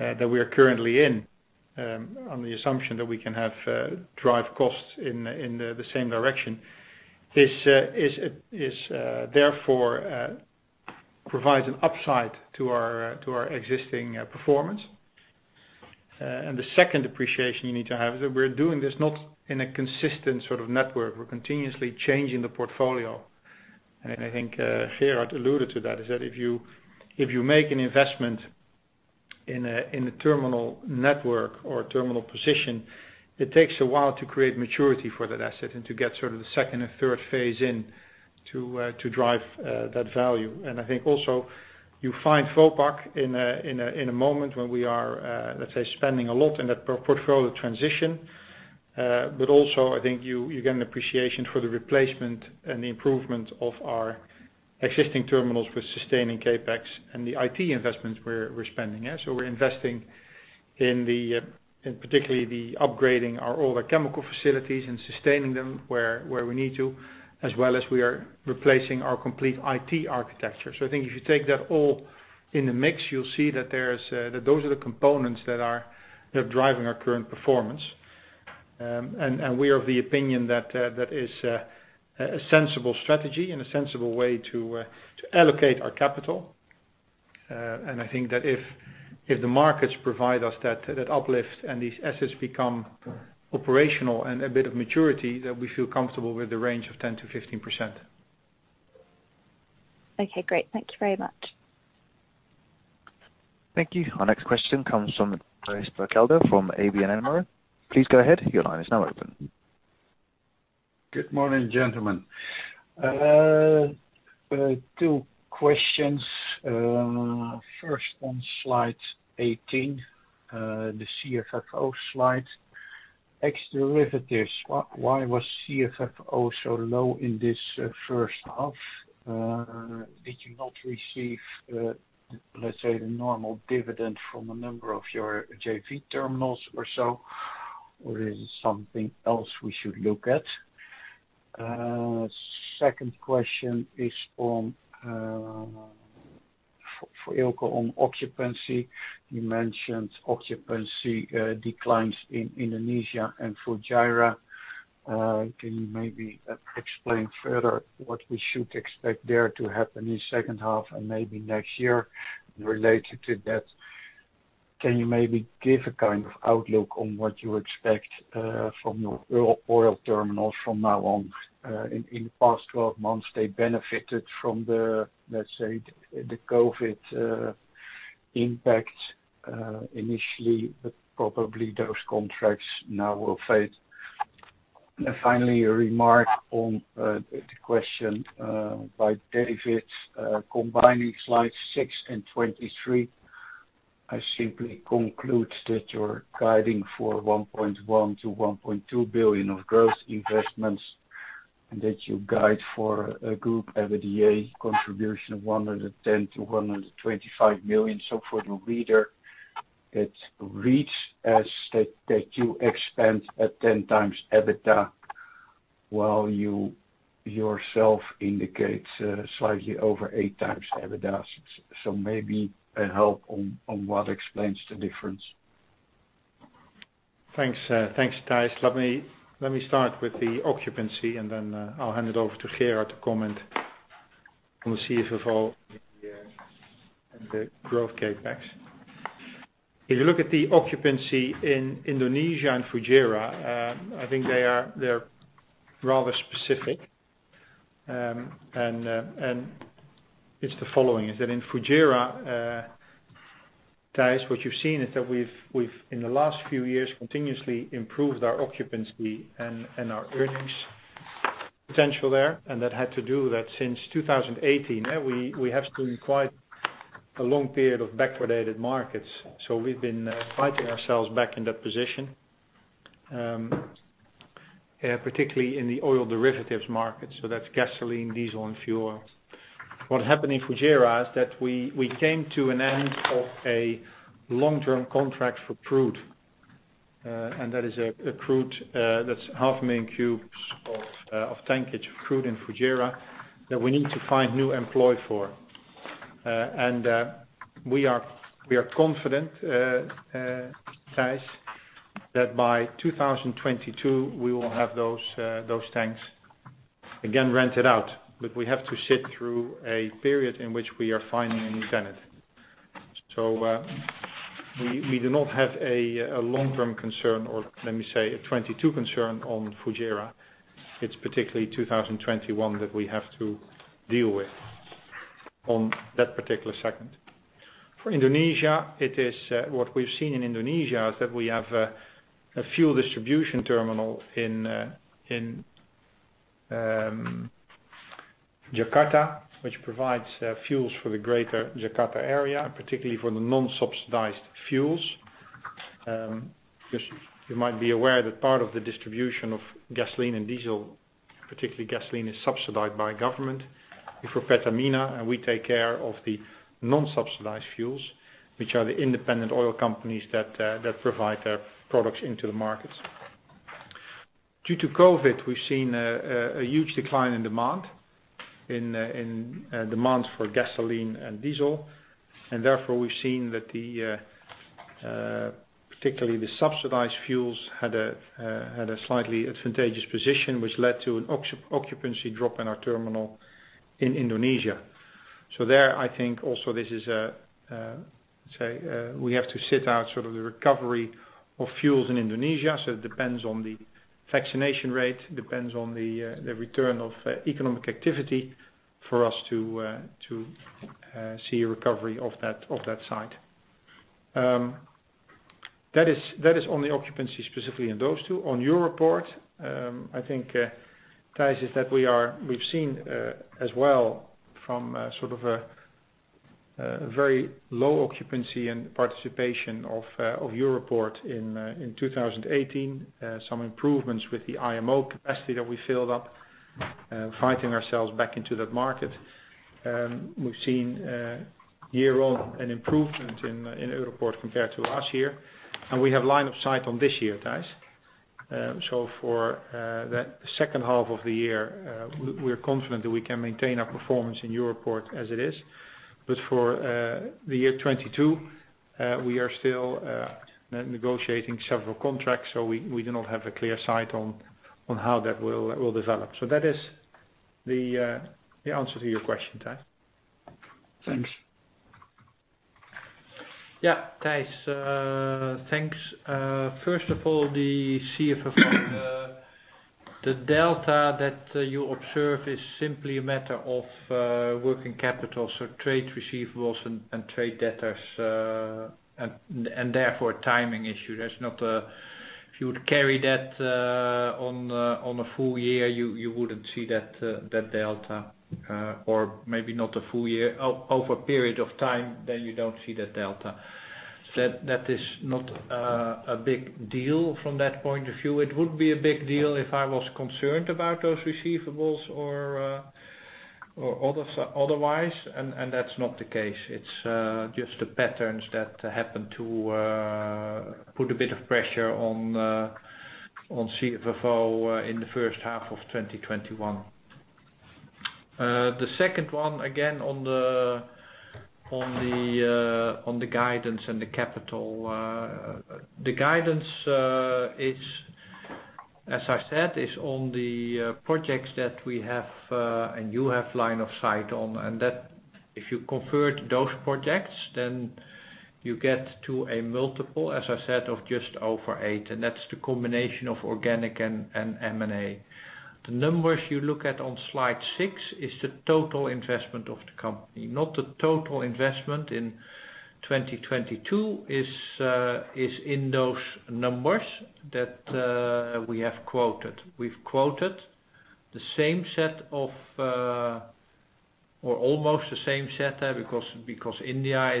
that we are currently in, on the assumption that we can drive costs in the same direction, this therefore provides an upside to our existing performance. The second appreciation you need to have is that we're doing this not in a consistent sort of network. We're continuously changing the portfolio. I think Gerard alluded to that, is that if you make an investment in a terminal network or a terminal position, it takes a while to create maturity for that asset and to get sort of the second and third phase in to drive that value. I think also you find Vopak in a moment when we are, let's say, spending a lot in that portfolio transition. Also, I think you get an appreciation for the replacement and the improvement of our existing terminals with sustaining CapEx and the IT investments we're spending. We're investing in particularly the upgrading all the chemical facilities and sustaining them where we need to, as well as we are replacing our complete IT architecture. I think if you take that all in the mix, you'll see that those are the components that are driving our current performance. We are of the opinion that is a sensible strategy and a sensible way to allocate our capital. I think that if the markets provide us that uplift and these assets become operational and a bit of maturity, that we feel comfortable with the range of 10%-15%. Okay, great. Thank you very much. Thank you. Our next question comes from Thijs Berkelder from ABN AMRO. Please go ahead. Your line is now open. Good morning, gentlemen. Two questions. First on slide 18, the CFFO slide. Ex derivatives, why was CFFO so low in this first half? Did you not receive, let's say, the normal dividend from a number of your JV terminals or so? Or is it something else we should look at? Second question is for Eelco on occupancy. You mentioned occupancy declines in Indonesia and Fujairah. Can you maybe explain further what we should expect there to happen in second half and maybe next year? Related to that, can you maybe give a kind of outlook on what you expect from your oil terminals from now on? In the past 12 months, they benefited from the, let's say, the COVID impact initially, but probably those contracts now will fade. Finally, a remark on the question by David. Combining slide 6 and 23, I simply conclude that you're guiding for 1.1 billion-1.2 billion of gross investments and that you guide for a group EBITDA contribution of 110 million-125 million. For the reader, it reads as that you expand at 10x EBITDA while you yourself indicate slightly over 8x EBITDA. Maybe a help on what explains the difference. Thanks, Thijs. Let me start with the occupancy and then I'll hand it over to Gerard to comment on the CFFO and the growth CapEx. If you look at the occupancy in Indonesia and Fujairah, I think they're rather specific. It's the following, is that in Fujairah, Thijs, what you've seen is that we've in the last few years continuously improved our occupancy and our earnings potential there. That had to do that since 2018, we have seen quite a long period of backwardated markets. We've been fighting ourselves back in that position, particularly in the oil derivatives market. That's gasoline, diesel, and fuel. What happened in Fujairah is that we came to an end of a long-term contract for crude. That is a crude that's 0.5 million cubes of tankage crude in Fujairah that we need to find new employ for. We are confident, Thijs, that by 2022, we will have those tanks again rented out. We have to sit through a period in which we are finding a new tenant. We do not have a long-term concern, or let me say a 2022 concern on Fujairah. It's particularly 2021 that we have to deal with on that particular segment. For Indonesia, what we've seen in Indonesia is that we have a fuel distribution terminal in Jakarta, which provides fuels for the greater Jakarta area, and particularly for the non-subsidized fuels. You might be aware that part of the distribution of gasoline and diesel, particularly gasoline, is subsidized by government through Pertamina, and we take care of the non-subsidized fuels, which are the independent oil companies that provide products into the markets. Due to COVID, we've seen a huge decline in demand for gasoline and diesel, and therefore, we've seen that particularly the subsidized fuels had a slightly advantageous position, which led to an occupancy drop in our terminal in Indonesia. There, I think also, we have to sit out sort of the recovery of fuels in Indonesia. It depends on the vaccination rate, depends on the return of economic activity for us to see a recovery of that site. That is on the occupancy specifically in those two. On your report, I think, Thijs, we've seen as well from a sort of a very low occupancy and participation of Europoort in 2018. Some improvements with the IMO capacity that we filled up, fighting ourselves back into that market. We've seen year on an improvement in Europoort compared to last year, and we have line of sight on this year, Thijs. For that second half of the year, we're confident that we can maintain our performance in Europoort as it is. For the year 2022, we are still negotiating several contracts, so we do not have a clear sight on how that will develop. That is the answer to your question, Thijs. Thanks. Yeah, Thijs. Thanks. First of all, the CFFO, the delta that you observe is simply a matter of working capital, so trade receivables and trade debtors, and therefore a timing issue. If you would carry that on a full year, you wouldn't see that delta. Maybe not a full year. Over a period of time, you don't see that delta. That is not a big deal from that point of view. It would be a big deal if I was concerned about those receivables or otherwise, that's not the case. It's just the patterns that happen to put a bit of pressure on CFFO in the first half of 2021. The second one, again, on the guidance and the capital. The guidance, as I said, is on the projects that we have, and you have line of sight on, and that if you convert those projects, then you get to a multiple, as I said, of just over 8, and that's the combination of organic and M&A. The numbers you look at on slide 6 is the total investment of the company, not the total investment in 2022 is in those numbers that we have quoted. We've quoted the same set of or almost the same set there because India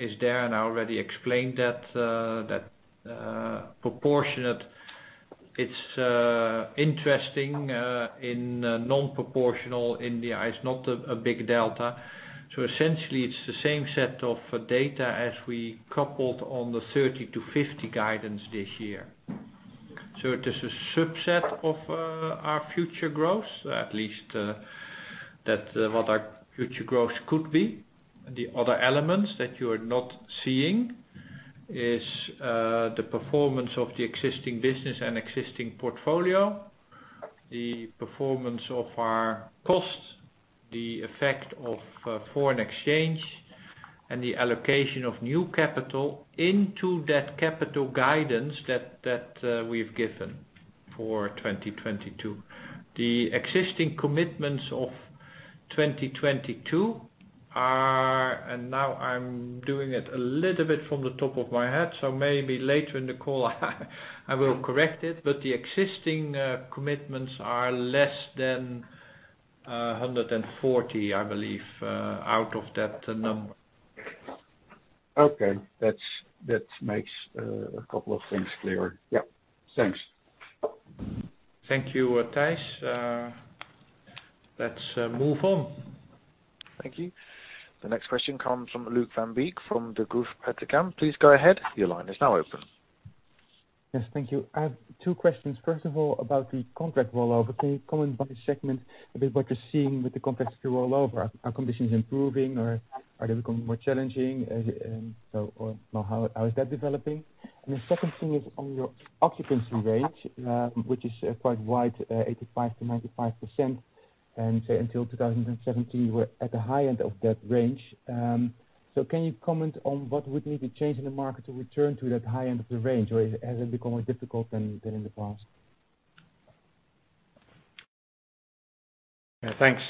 is there and I already explained that proportionate. It's interesting in non-proportional India, it's not a big delta. Essentially it's the same set of data as we coupled on the 30-50 guidance this year. It is a subset of our future growth, at least that what our future growth could be. The other elements that you are not seeing is the performance of the existing business and existing portfolio, the performance of our costs, the effect of foreign exchange, and the allocation of new capital into that capital guidance that we've given for 2022. The existing commitments of 2022 are, and now I'm doing it a little bit from the top of my head, so maybe later in the call I will correct it. The existing commitments are less than 140, I believe, out of that number. Okay. That makes a couple of things clearer. Yeah. Thanks. Thank you, Thijs. Let's move on. Thank you. The next question comes from Luuk van Beek from Degroof Petercam. Please go ahead. Your line is now open. Yes. Thank you. I have two questions. First of all, about the contract rollover. Can you comment by segment a bit what you're seeing with the contracts you roll over? Are conditions improving or are they becoming more challenging? How is that developing? The second thing is on your occupancy rate, which is quite wide, 85%-95%, and say until 2017, you were at the high end of that range. So can you comment on what would need to change in the market to return to that high end of the range? Or has it become more difficult than in the past? Yeah, thanks,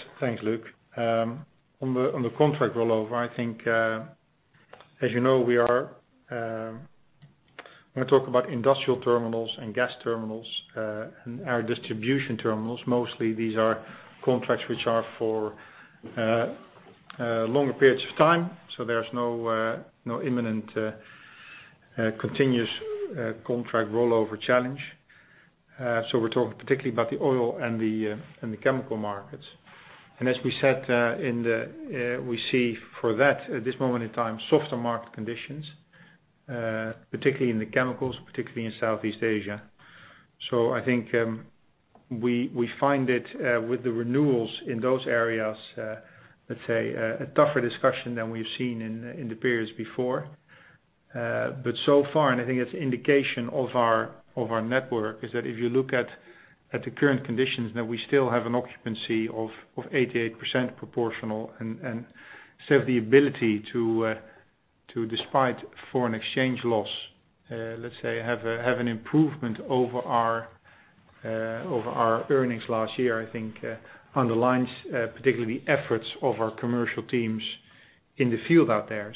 Luuk. On the contract rollover, I think, as you know, when we talk about industrial terminals and gas terminals, and our distribution terminals, mostly these are contracts which are for longer periods of time, there's no imminent continuous contract rollover challenge. We're talking particularly about the oil and the chemical markets. As we said, we see for that, at this moment in time, softer market conditions, particularly in the chemicals, particularly in Southeast Asia. I think we find it with the renewals in those areas, let's say, a tougher discussion than we've seen in the periods before. So far, and I think it's indication of our network, is that if you look at the current conditions, that we still have an occupancy of 88% proportional and still have the ability to, despite foreign exchange loss, let's say, have an improvement over our earnings last year, I think, underlines particularly the efforts of our commercial teams in the field out there.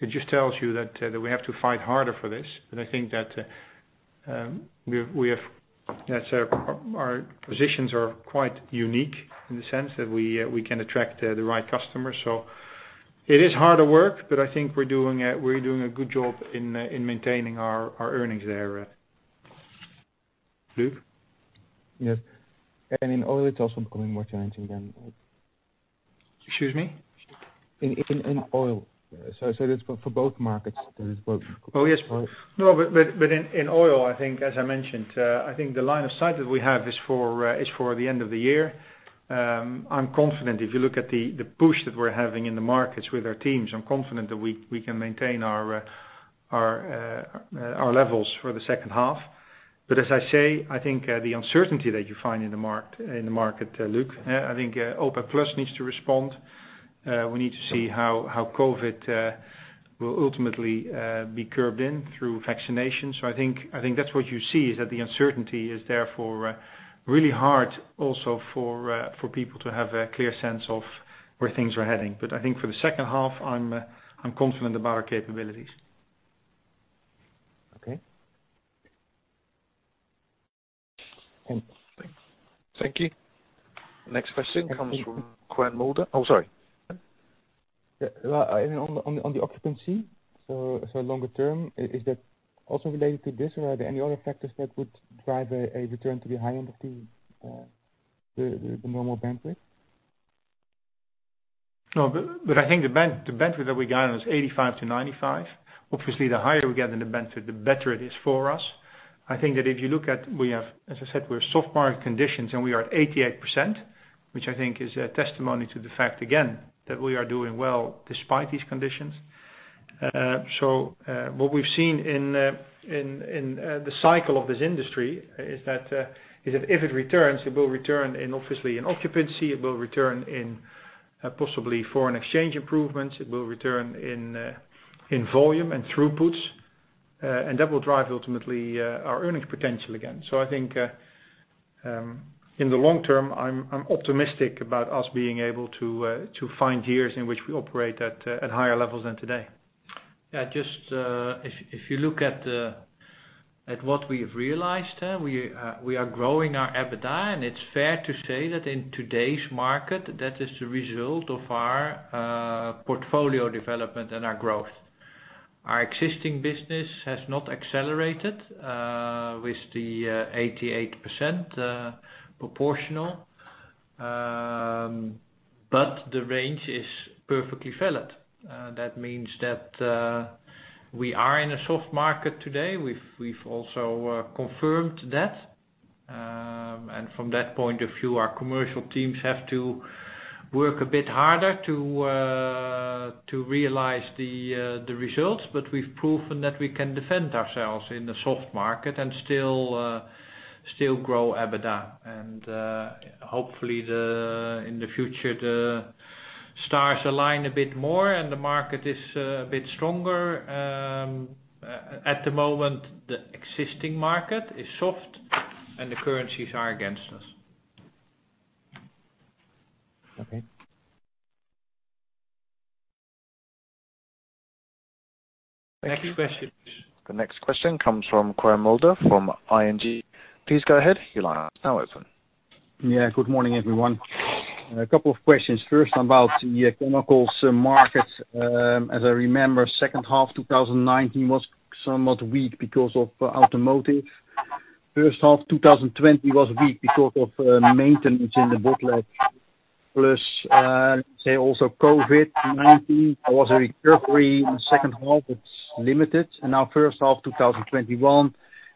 It just tells you that we have to fight harder for this, but I think that our positions are quite unique in the sense that we can attract the right customers. It is harder work, but I think we're doing a good job in maintaining our earnings there. Luuk? Yes. In oil it's also becoming more challenging then. Excuse me? In oil. Say that's for both markets. That is both. Oh, yes. No, in oil, I think, as I mentioned, the line of sight that we have is for the end of the year. I'm confident if you look at the push that we're having in the markets with our teams, I'm confident that we can maintain our levels for the second half. As I say, I think the uncertainty that you find in the market, Luuk, I think OPEC+ needs to respond. We need to see how COVID will ultimately be curbed in through vaccination. I think that's what you see is that the uncertainty is therefore really hard also for people to have a clear sense of where things are heading. I think for the second half, I'm confident about our capabilities. Okay. Thank you. Next question comes from Quirijn Mulder. Oh, sorry. On the occupancy, longer term, is that also related to this or are there any other factors that would drive a return to the high end of the normal bandwidth? No, I think the bandwidth that we got is 85-95. The higher we get in the bandwidth, the better it is for us. I think that if you look at, as I said, we're soft market conditions and we are at 88%, which I think is a testimony to the fact, again, that we are doing well despite these conditions. What we've seen in the cycle of this industry is that, if it returns, it will return in obviously in occupancy, it will return in possibly foreign exchange improvements, it will return in volume and throughputs. That will drive ultimately, our earnings potential again. I think, in the long term, I'm optimistic about us being able to find years in which we operate at higher levels than today. If you look at what we have realized, we are growing our EBITDA. It's fair to say that in today's market, that is the result of our portfolio development and our growth. Our existing business has not accelerated, with the 88% proportional. The range is perfectly valid. That means that, we are in a soft market today. We've also confirmed that. From that point of view, our commercial teams have to work a bit harder to realize the results. We've proven that we can defend ourselves in the soft market and still grow EBITDA. Hopefully in the future, the stars align a bit more and the market is a bit stronger. At the moment, the existing market is soft and the currencies are against us. Okay. Next question. The next question comes from Quirijn Mulder from ING. Please go ahead. Your line is now open. Yeah. Good morning, everyone. A couple of questions. First, about the chemicals market. As I remember, second half 2019 was somewhat weak because of automotive. First half 2020 was weak because of maintenance in the Botlek. Plus, let's say also COVID-19 was a recovery in the second half. It's limited. Now first half 2021,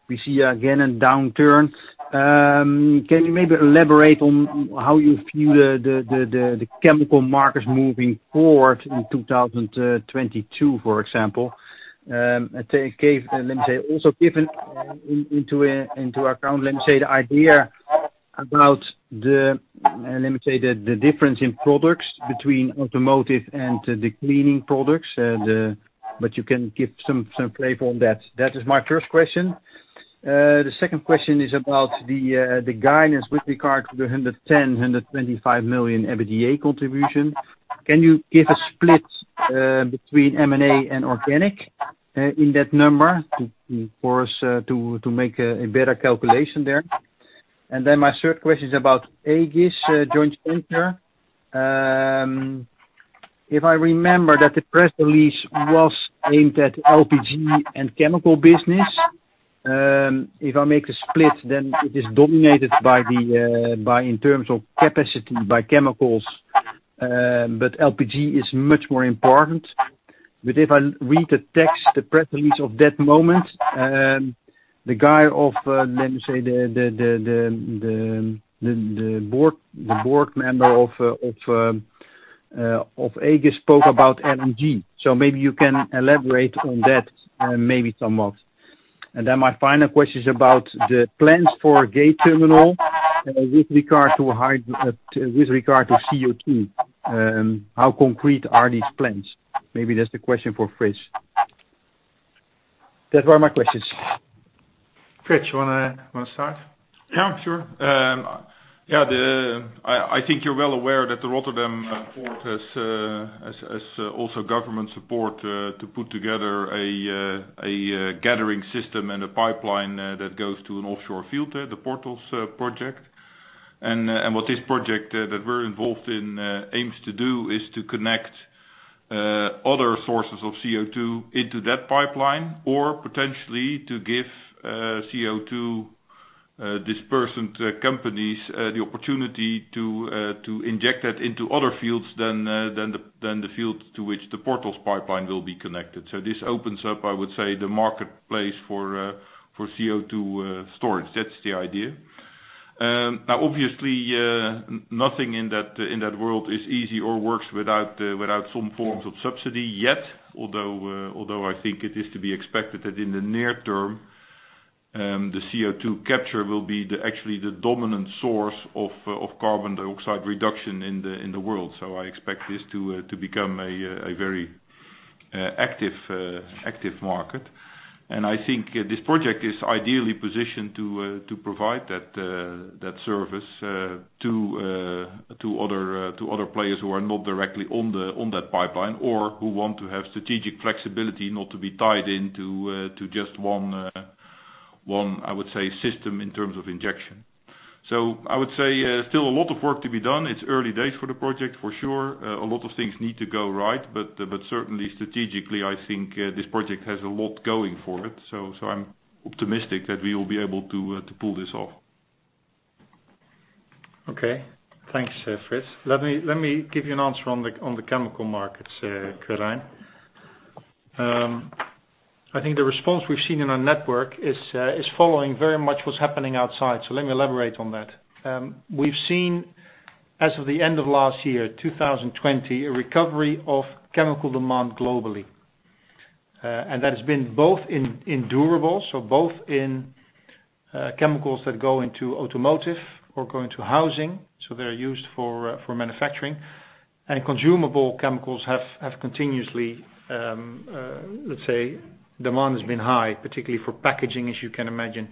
we see again a downturn. Can you maybe elaborate on how you view the chemical markets moving forward in 2022, for example? Let me say, also given into account, let me say, the idea about let me say the difference in products between automotive and the cleaning products. You can give some flavor on that. That is my first question. The second question is about the guidance with regard to the 110 million-125 million EBITDA contribution. Can you give a split between M&A and organic in that number for us to make a better calculation there? My third question is about Aegis joint venture. If I remember that the press release was aimed at LPG and chemical business. If I make a split, then it is dominated in terms of capacity by chemicals, but LPG is much more important. If I read the text, the press release of that moment, the guy of, let me say, the board member of Aegis spoke about LNG. Maybe you can elaborate on that, maybe somewhat. My final question is about the plans for Gate terminal with regard to CO₂. How concrete are these plans? Maybe that's the question for Frits. Those are my questions. Frits, you want to start? Yeah. Sure. I think you're well aware that the Rotterdam port has also government support to put together a gathering system and a pipeline that goes to an offshore field, the Porthos project. What this project that we're involved in aims to do is to connect other sources of CO2 into that pipeline or potentially to give CO2 dispersant companies the opportunity to inject that into other fields than the fields to which the Porthos pipeline will be connected. This opens up, I would say, the marketplace for CO2 storage. That's the idea. Obviously, nothing in that world is easy or works without some forms of subsidy yet. I think it is to be expected that in the near term, the CO2 capture will be actually the dominant source of carbon dioxide reduction in the world. I expect this to become a very active market. I think this project is ideally positioned to provide that service to other players who are not directly on that pipeline or who want to have strategic flexibility not to be tied into just one, I would say, system in terms of injection. I would say, still a lot of work to be done. It's early days for the project for sure. A lot of things need to go right. Certainly strategically, I think this project has a lot going for it. I'm optimistic that we will be able to pull this off. Okay. Thanks, Frits. Let me give you an answer on the chemical markets, Quirijn. I think the response we've seen in our network is following very much what's happening outside. Let me elaborate on that. We've seen, as of the end of last year, 2020, a recovery of chemical demand globally. That has been both in durables, so both in chemicals that go into automotive or go into housing. They're used for manufacturing. Consumable chemicals have continuously, let's say, demand has been high, particularly for packaging, as you can imagine,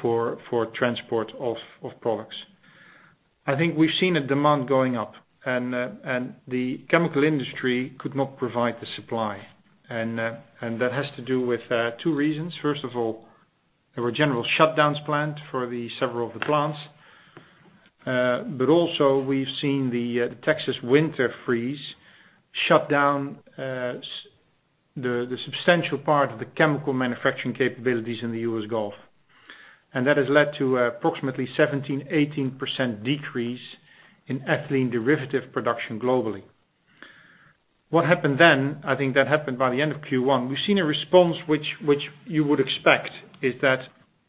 for transport of products. I think we've seen a demand going up and the chemical industry could not provide the supply. That has to do with two reasons. First of all, there were general shutdowns planned for the several of the plants. Also we've seen the Texas winter storm shut down the substantial part of the chemical manufacturing capabilities in the US Gulf. That has led to approximately 17%-18% decrease in ethylene derivative production globally. What happened, I think that happened by the end of Q1, we've seen a response which you would expect, is that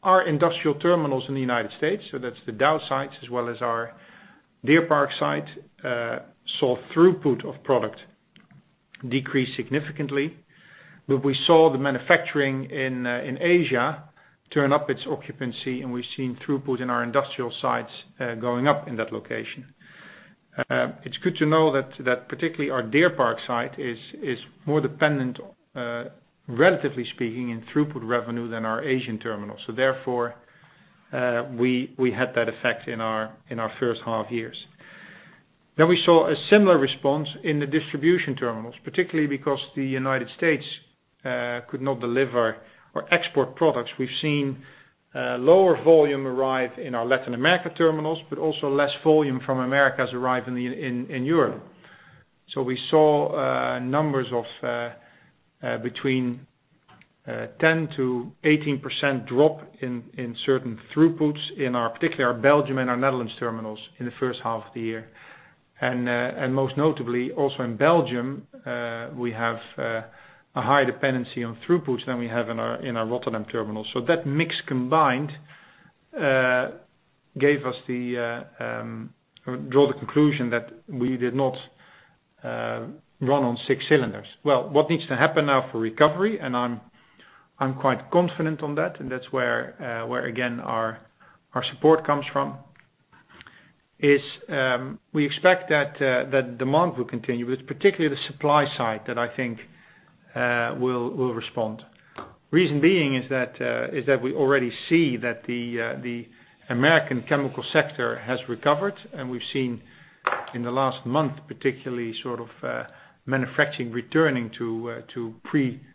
our industrial terminals in the U.S., so that's the Dow sites as well as our Deer Park site, saw throughput of product decrease significantly. We saw the manufacturing in Asia turn up its occupancy, and we've seen throughput in our industrial sites going up in that location. It's good to know that particularly our Deer Park site is more dependent, relatively speaking, in throughput revenue than our Asian terminals. Therefore, we had that effect in our first half years. We saw a similar response in the distribution terminals, particularly because the United States could not deliver or export products. We've seen lower volume arrive in our Latin America terminals, but also less volume from Americas arrive in Europe. We saw numbers of between 10%-18% drop in certain throughputs in our, particularly our Belgium and our Netherlands terminals in the first half of the year. Most notably also in Belgium, we have a higher dependency on throughputs than we have in our Rotterdam terminals. That mix combined gave us the, draw the conclusion that we did not run on six cylinders. What needs to happen now for recovery, and I'm quite confident on that, and that's where again our support comes from, is we expect that demand will continue with particularly the supply side that I think will respond. Reason being is that we already see that the U.S. chemical sector has recovered and we've seen in the last month particularly sort of manufacturing returning to pre-Texas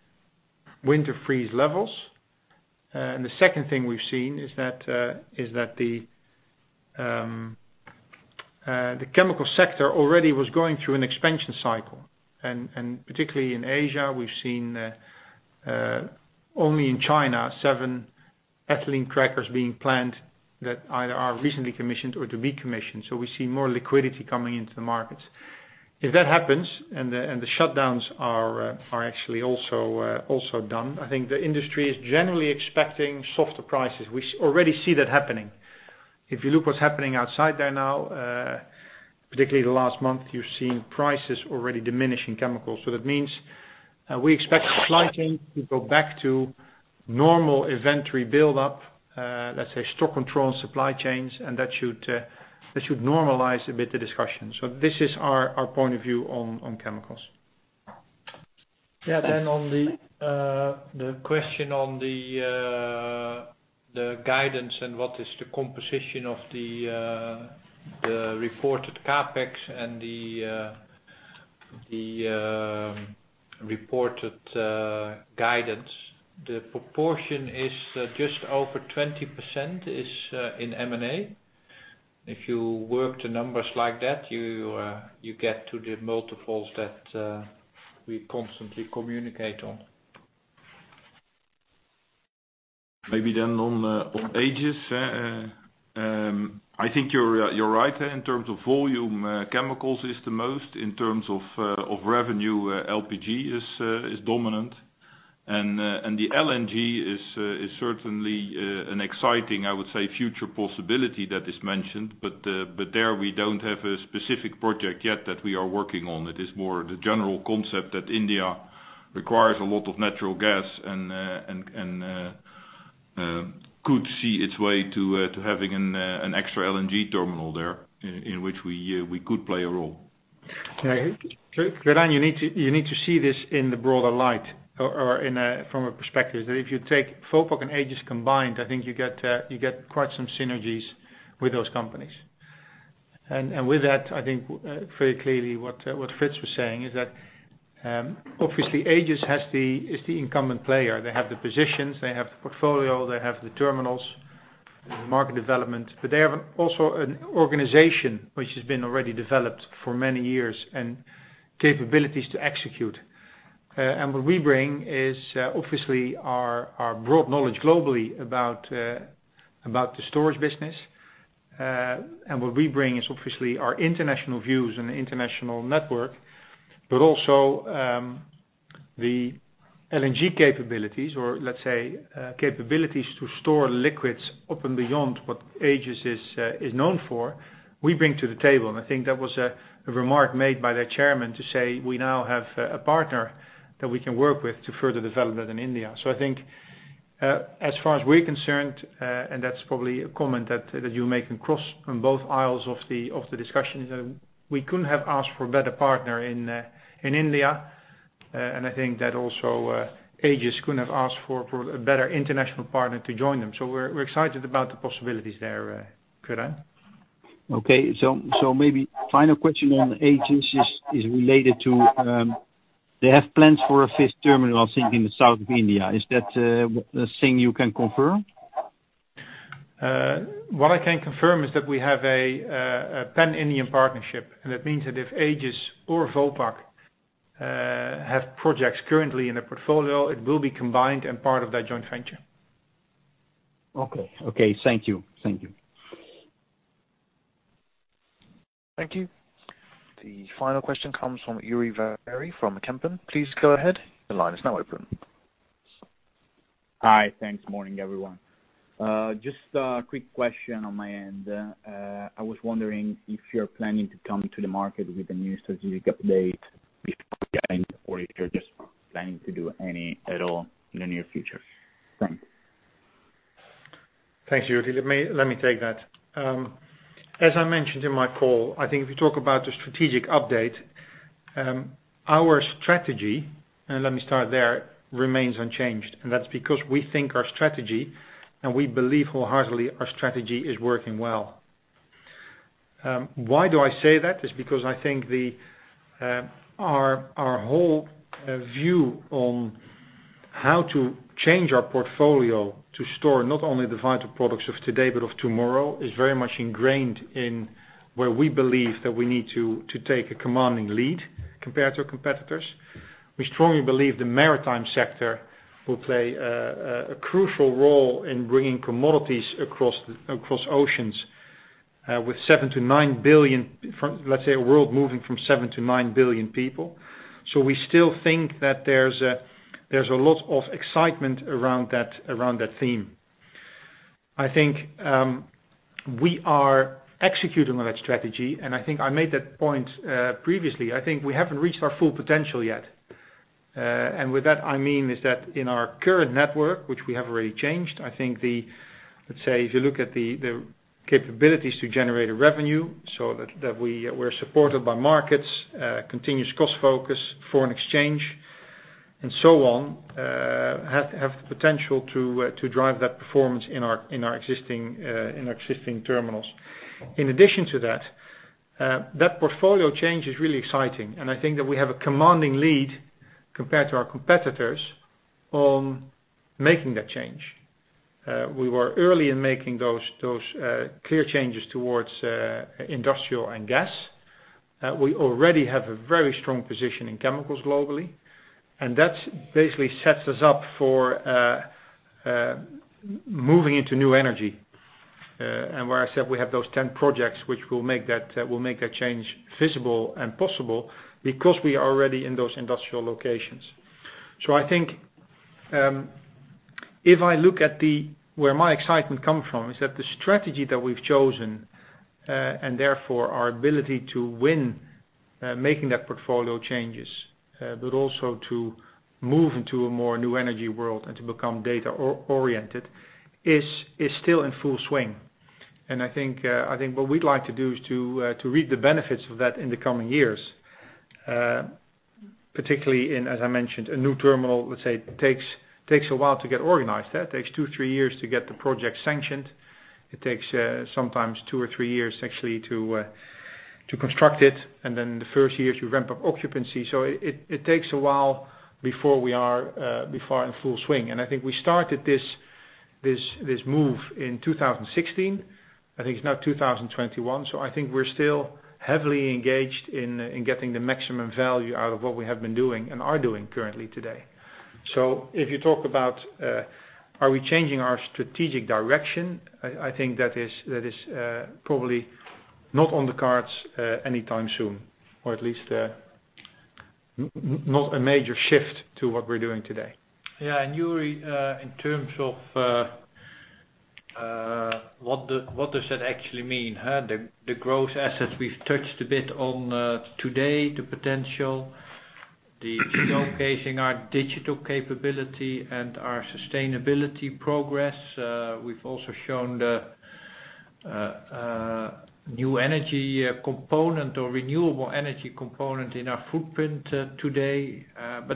winter storm levels. The second thing we've seen is that the chemical sector already was going through an expansion cycle. Particularly in Asia, we've seen only in China, seven ethylene crackers being planned that either are recently commissioned or to be commissioned. We see more liquidity coming into the markets. If that happens and the shutdowns are actually also done, I think the industry is generally expecting softer prices. We already see that happening. If you look what's happening outside there now, particularly the last month, you're seeing prices already diminish in chemicals. That means we expect supply chain to go back to normal inventory buildup, let's say stock control and supply chains, and that should normalize a bit the discussion. This is our point of view on chemicals. Yeah. On the question on the guidance and what is the composition of the reported CapEx and the reported guidance. The proportion is just over 20% is in M&A. If you work the numbers like that, you get to the multiples that we constantly communicate on. Maybe then on Aegis. I think you're right in terms of volume, chemicals is the most. In terms of revenue, LPG is dominant. The LNG is certainly an exciting, I would say, future possibility that is mentioned, but there we don't have a specific project yet that we are working on. It is more the general concept that India requires a lot of natural gas and could see its way to having an extra LNG terminal there, in which we could play a role. Yeah. Quirijn, you need to see this in the broader light or from a perspective that if you take Vopak and Aegis combined, I think you get quite some synergies with those companies. With that, I think very clearly what Frits was saying is that, obviously Aegis is the incumbent player. They have the positions, they have the portfolio, they have the terminals, the market development, but they have also an organization which has been already developed for many years and capabilities to execute. What we bring is obviously our broad knowledge globally about the storage business. What we bring is obviously our international views and international network, but also the LNG capabilities or let's say, capabilities to store liquids up and beyond what Aegis is known for, we bring to the table. I think that was a remark made by their chairman to say, "We now have a partner that we can work with to further development in India." I think as far as we're concerned, and that's probably a comment that you make across on both aisles of the discussion, is that we couldn't have asked for a better partner in India. I think that also, Aegis couldn't have asked for a better international partner to join them. We're excited about the possibilities there, Quirijn Mulder. Okay. Maybe final question on Aegis is related to, they have plans for a fifth terminal, I think, in the south of India. Is that a thing you can confirm? What I can confirm is that we have a pan-Indian partnership, and that means that if Aegis or Vopak have projects currently in the portfolio, it will be combined and part of that joint venture. Okay. Thank you. Thank you. The final question comes from <inaudible> from Kempen. Please go ahead. Hi. Thanks. Morning, everyone. Just a quick question on my end. I was wondering if you're planning to come to the market with a new strategic update before the end of the year, or if you're just not planning to do any at all in the near future? Thanks. Thanks. <inaudible> Let me take that. As I mentioned in my call, I think if you talk about the strategic update, our strategy, and let me start there, remains unchanged, and that's because we think our strategy, and we believe wholeheartedly our strategy is working well. Why do I say that? Is because I think our whole view on how to change our portfolio to store not only the vital products of today but of tomorrow, is very much ingrained in where we believe that we need to take a commanding lead compared to our competitors. We strongly believe the maritime sector will play a crucial role in bringing commodities across oceans, a world moving from seven to nine billion people. We still think that there's a lot of excitement around that theme. I think we are executing on that strategy. I think I made that point previously. I think we haven't reached our full potential yet. With that, I mean, is that in our current network, which we have already changed, I think the, let's say, if you look at the capabilities to generate a revenue, so that we're supported by markets, continuous cost focus, foreign exchange, and so on, have the potential to drive that performance in our existing terminals. In addition to that portfolio change is really exciting, and I think that we have a commanding lead compared to our competitors on making that change. We were early in making those clear changes towards industrial and gas. We already have a very strong position in chemicals globally, and that basically sets us up for moving into new energy. Where I said we have those 10 projects, which will make that change visible and possible because we are already in those industrial locations. I think, if I look at where my excitement comes from is that the strategy that we've chosen, and therefore our ability to win, making that portfolio changes, but also to move into a more new energy world and to become data-oriented is still in full swing. I think what we'd like to do is to reap the benefits of that in the coming years. Particularly in, as I mentioned, a new terminal, let's say, takes a while to get organized there. It takes two, three years to get the project sanctioned. It takes sometimes two or three years actually to construct it. Then the first years, we ramp up occupancy. It takes a while before we are in full swing. I think we started this move in 2016. I think it's now 2021. I think we're still heavily engaged in getting the maximum value out of what we have been doing and are doing currently today. If you talk about, are we changing our strategic direction? I think that is probably not on the cards anytime soon, or at least not a major shift to what we're doing today. Yeah. Joeri, in terms of what does that actually mean? The growth assets we've touched a bit on today, the potential, the showcasing our digital capability and our sustainability progress. We've also shown the new energy component or renewable energy component in our footprint today.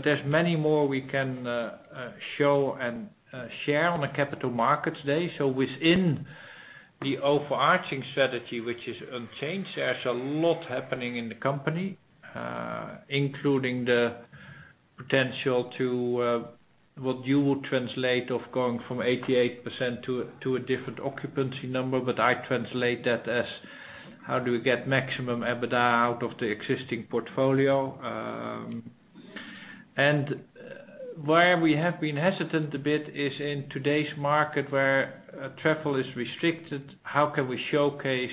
There's many more we can show and share on the Capital Markets Day. Within the overarching strategy, which is unchanged, there's a lot happening in the company. Including the potential to what you would translate of going from 88% to a different occupancy number. I translate that as how do we get maximum EBITDA out of the existing portfolio? Where we have been hesitant a bit is in today's market where travel is restricted. How can we showcase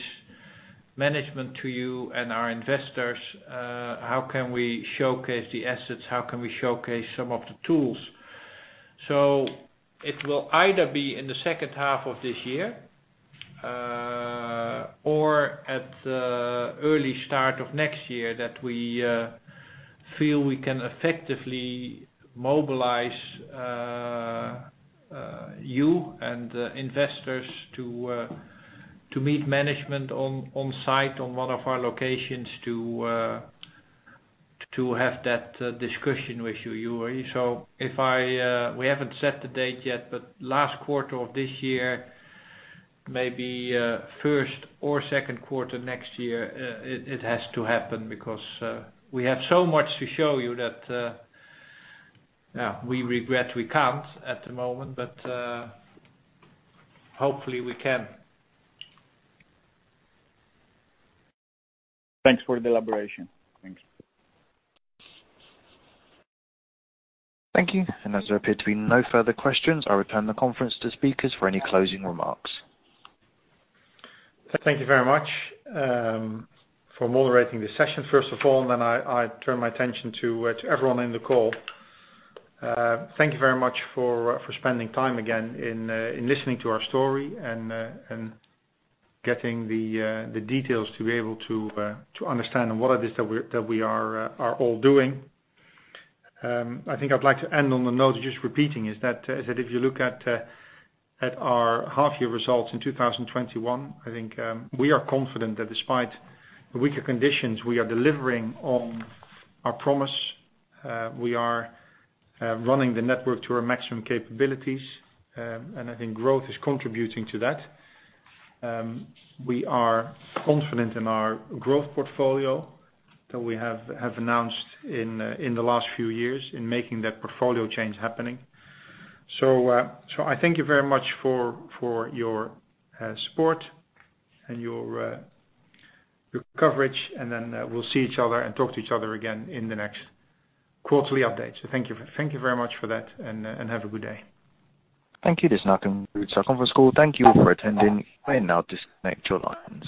management to you and our investors? How can we showcase the assets? How can we showcase some of the tools? It will either be in the second half of this year or at the early start of next year that we feel we can effectively mobilize you and investors to meet management on site on one of our locations to have that discussion with you, Joeri. We haven't set the date yet, but last quarter of this year, maybe first or second quarter next year, it has to happen because we have so much to show you that we regret we can't at the moment. Hopefully we can. Thanks for the elaboration. Thanks. Thank you. As there appear to be no further questions, I return the conference to speakers for any closing remarks. Thank you very much for moderating this session. First of all, I turn my attention to everyone in the call. Thank you very much for spending time again in listening to our story and getting the details to be able to understand what it is that we are all doing. I think I'd like to end on the note of just repeating, is that if you look at our half year results in 2021, I think we are confident that despite the weaker conditions, we are delivering on our promise. We are running the network to our maximum capabilities. I think growth is contributing to that. We are confident in our growth portfolio that we have announced in the last few years in making that portfolio change happening. I thank you very much for your support and your coverage, and then we'll see each other and talk to each other again in the next quarterly update. Thank you very much for that and have a good day. Thank you. This now concludes our conference call. Thank you for attending. You may now disconnect your line.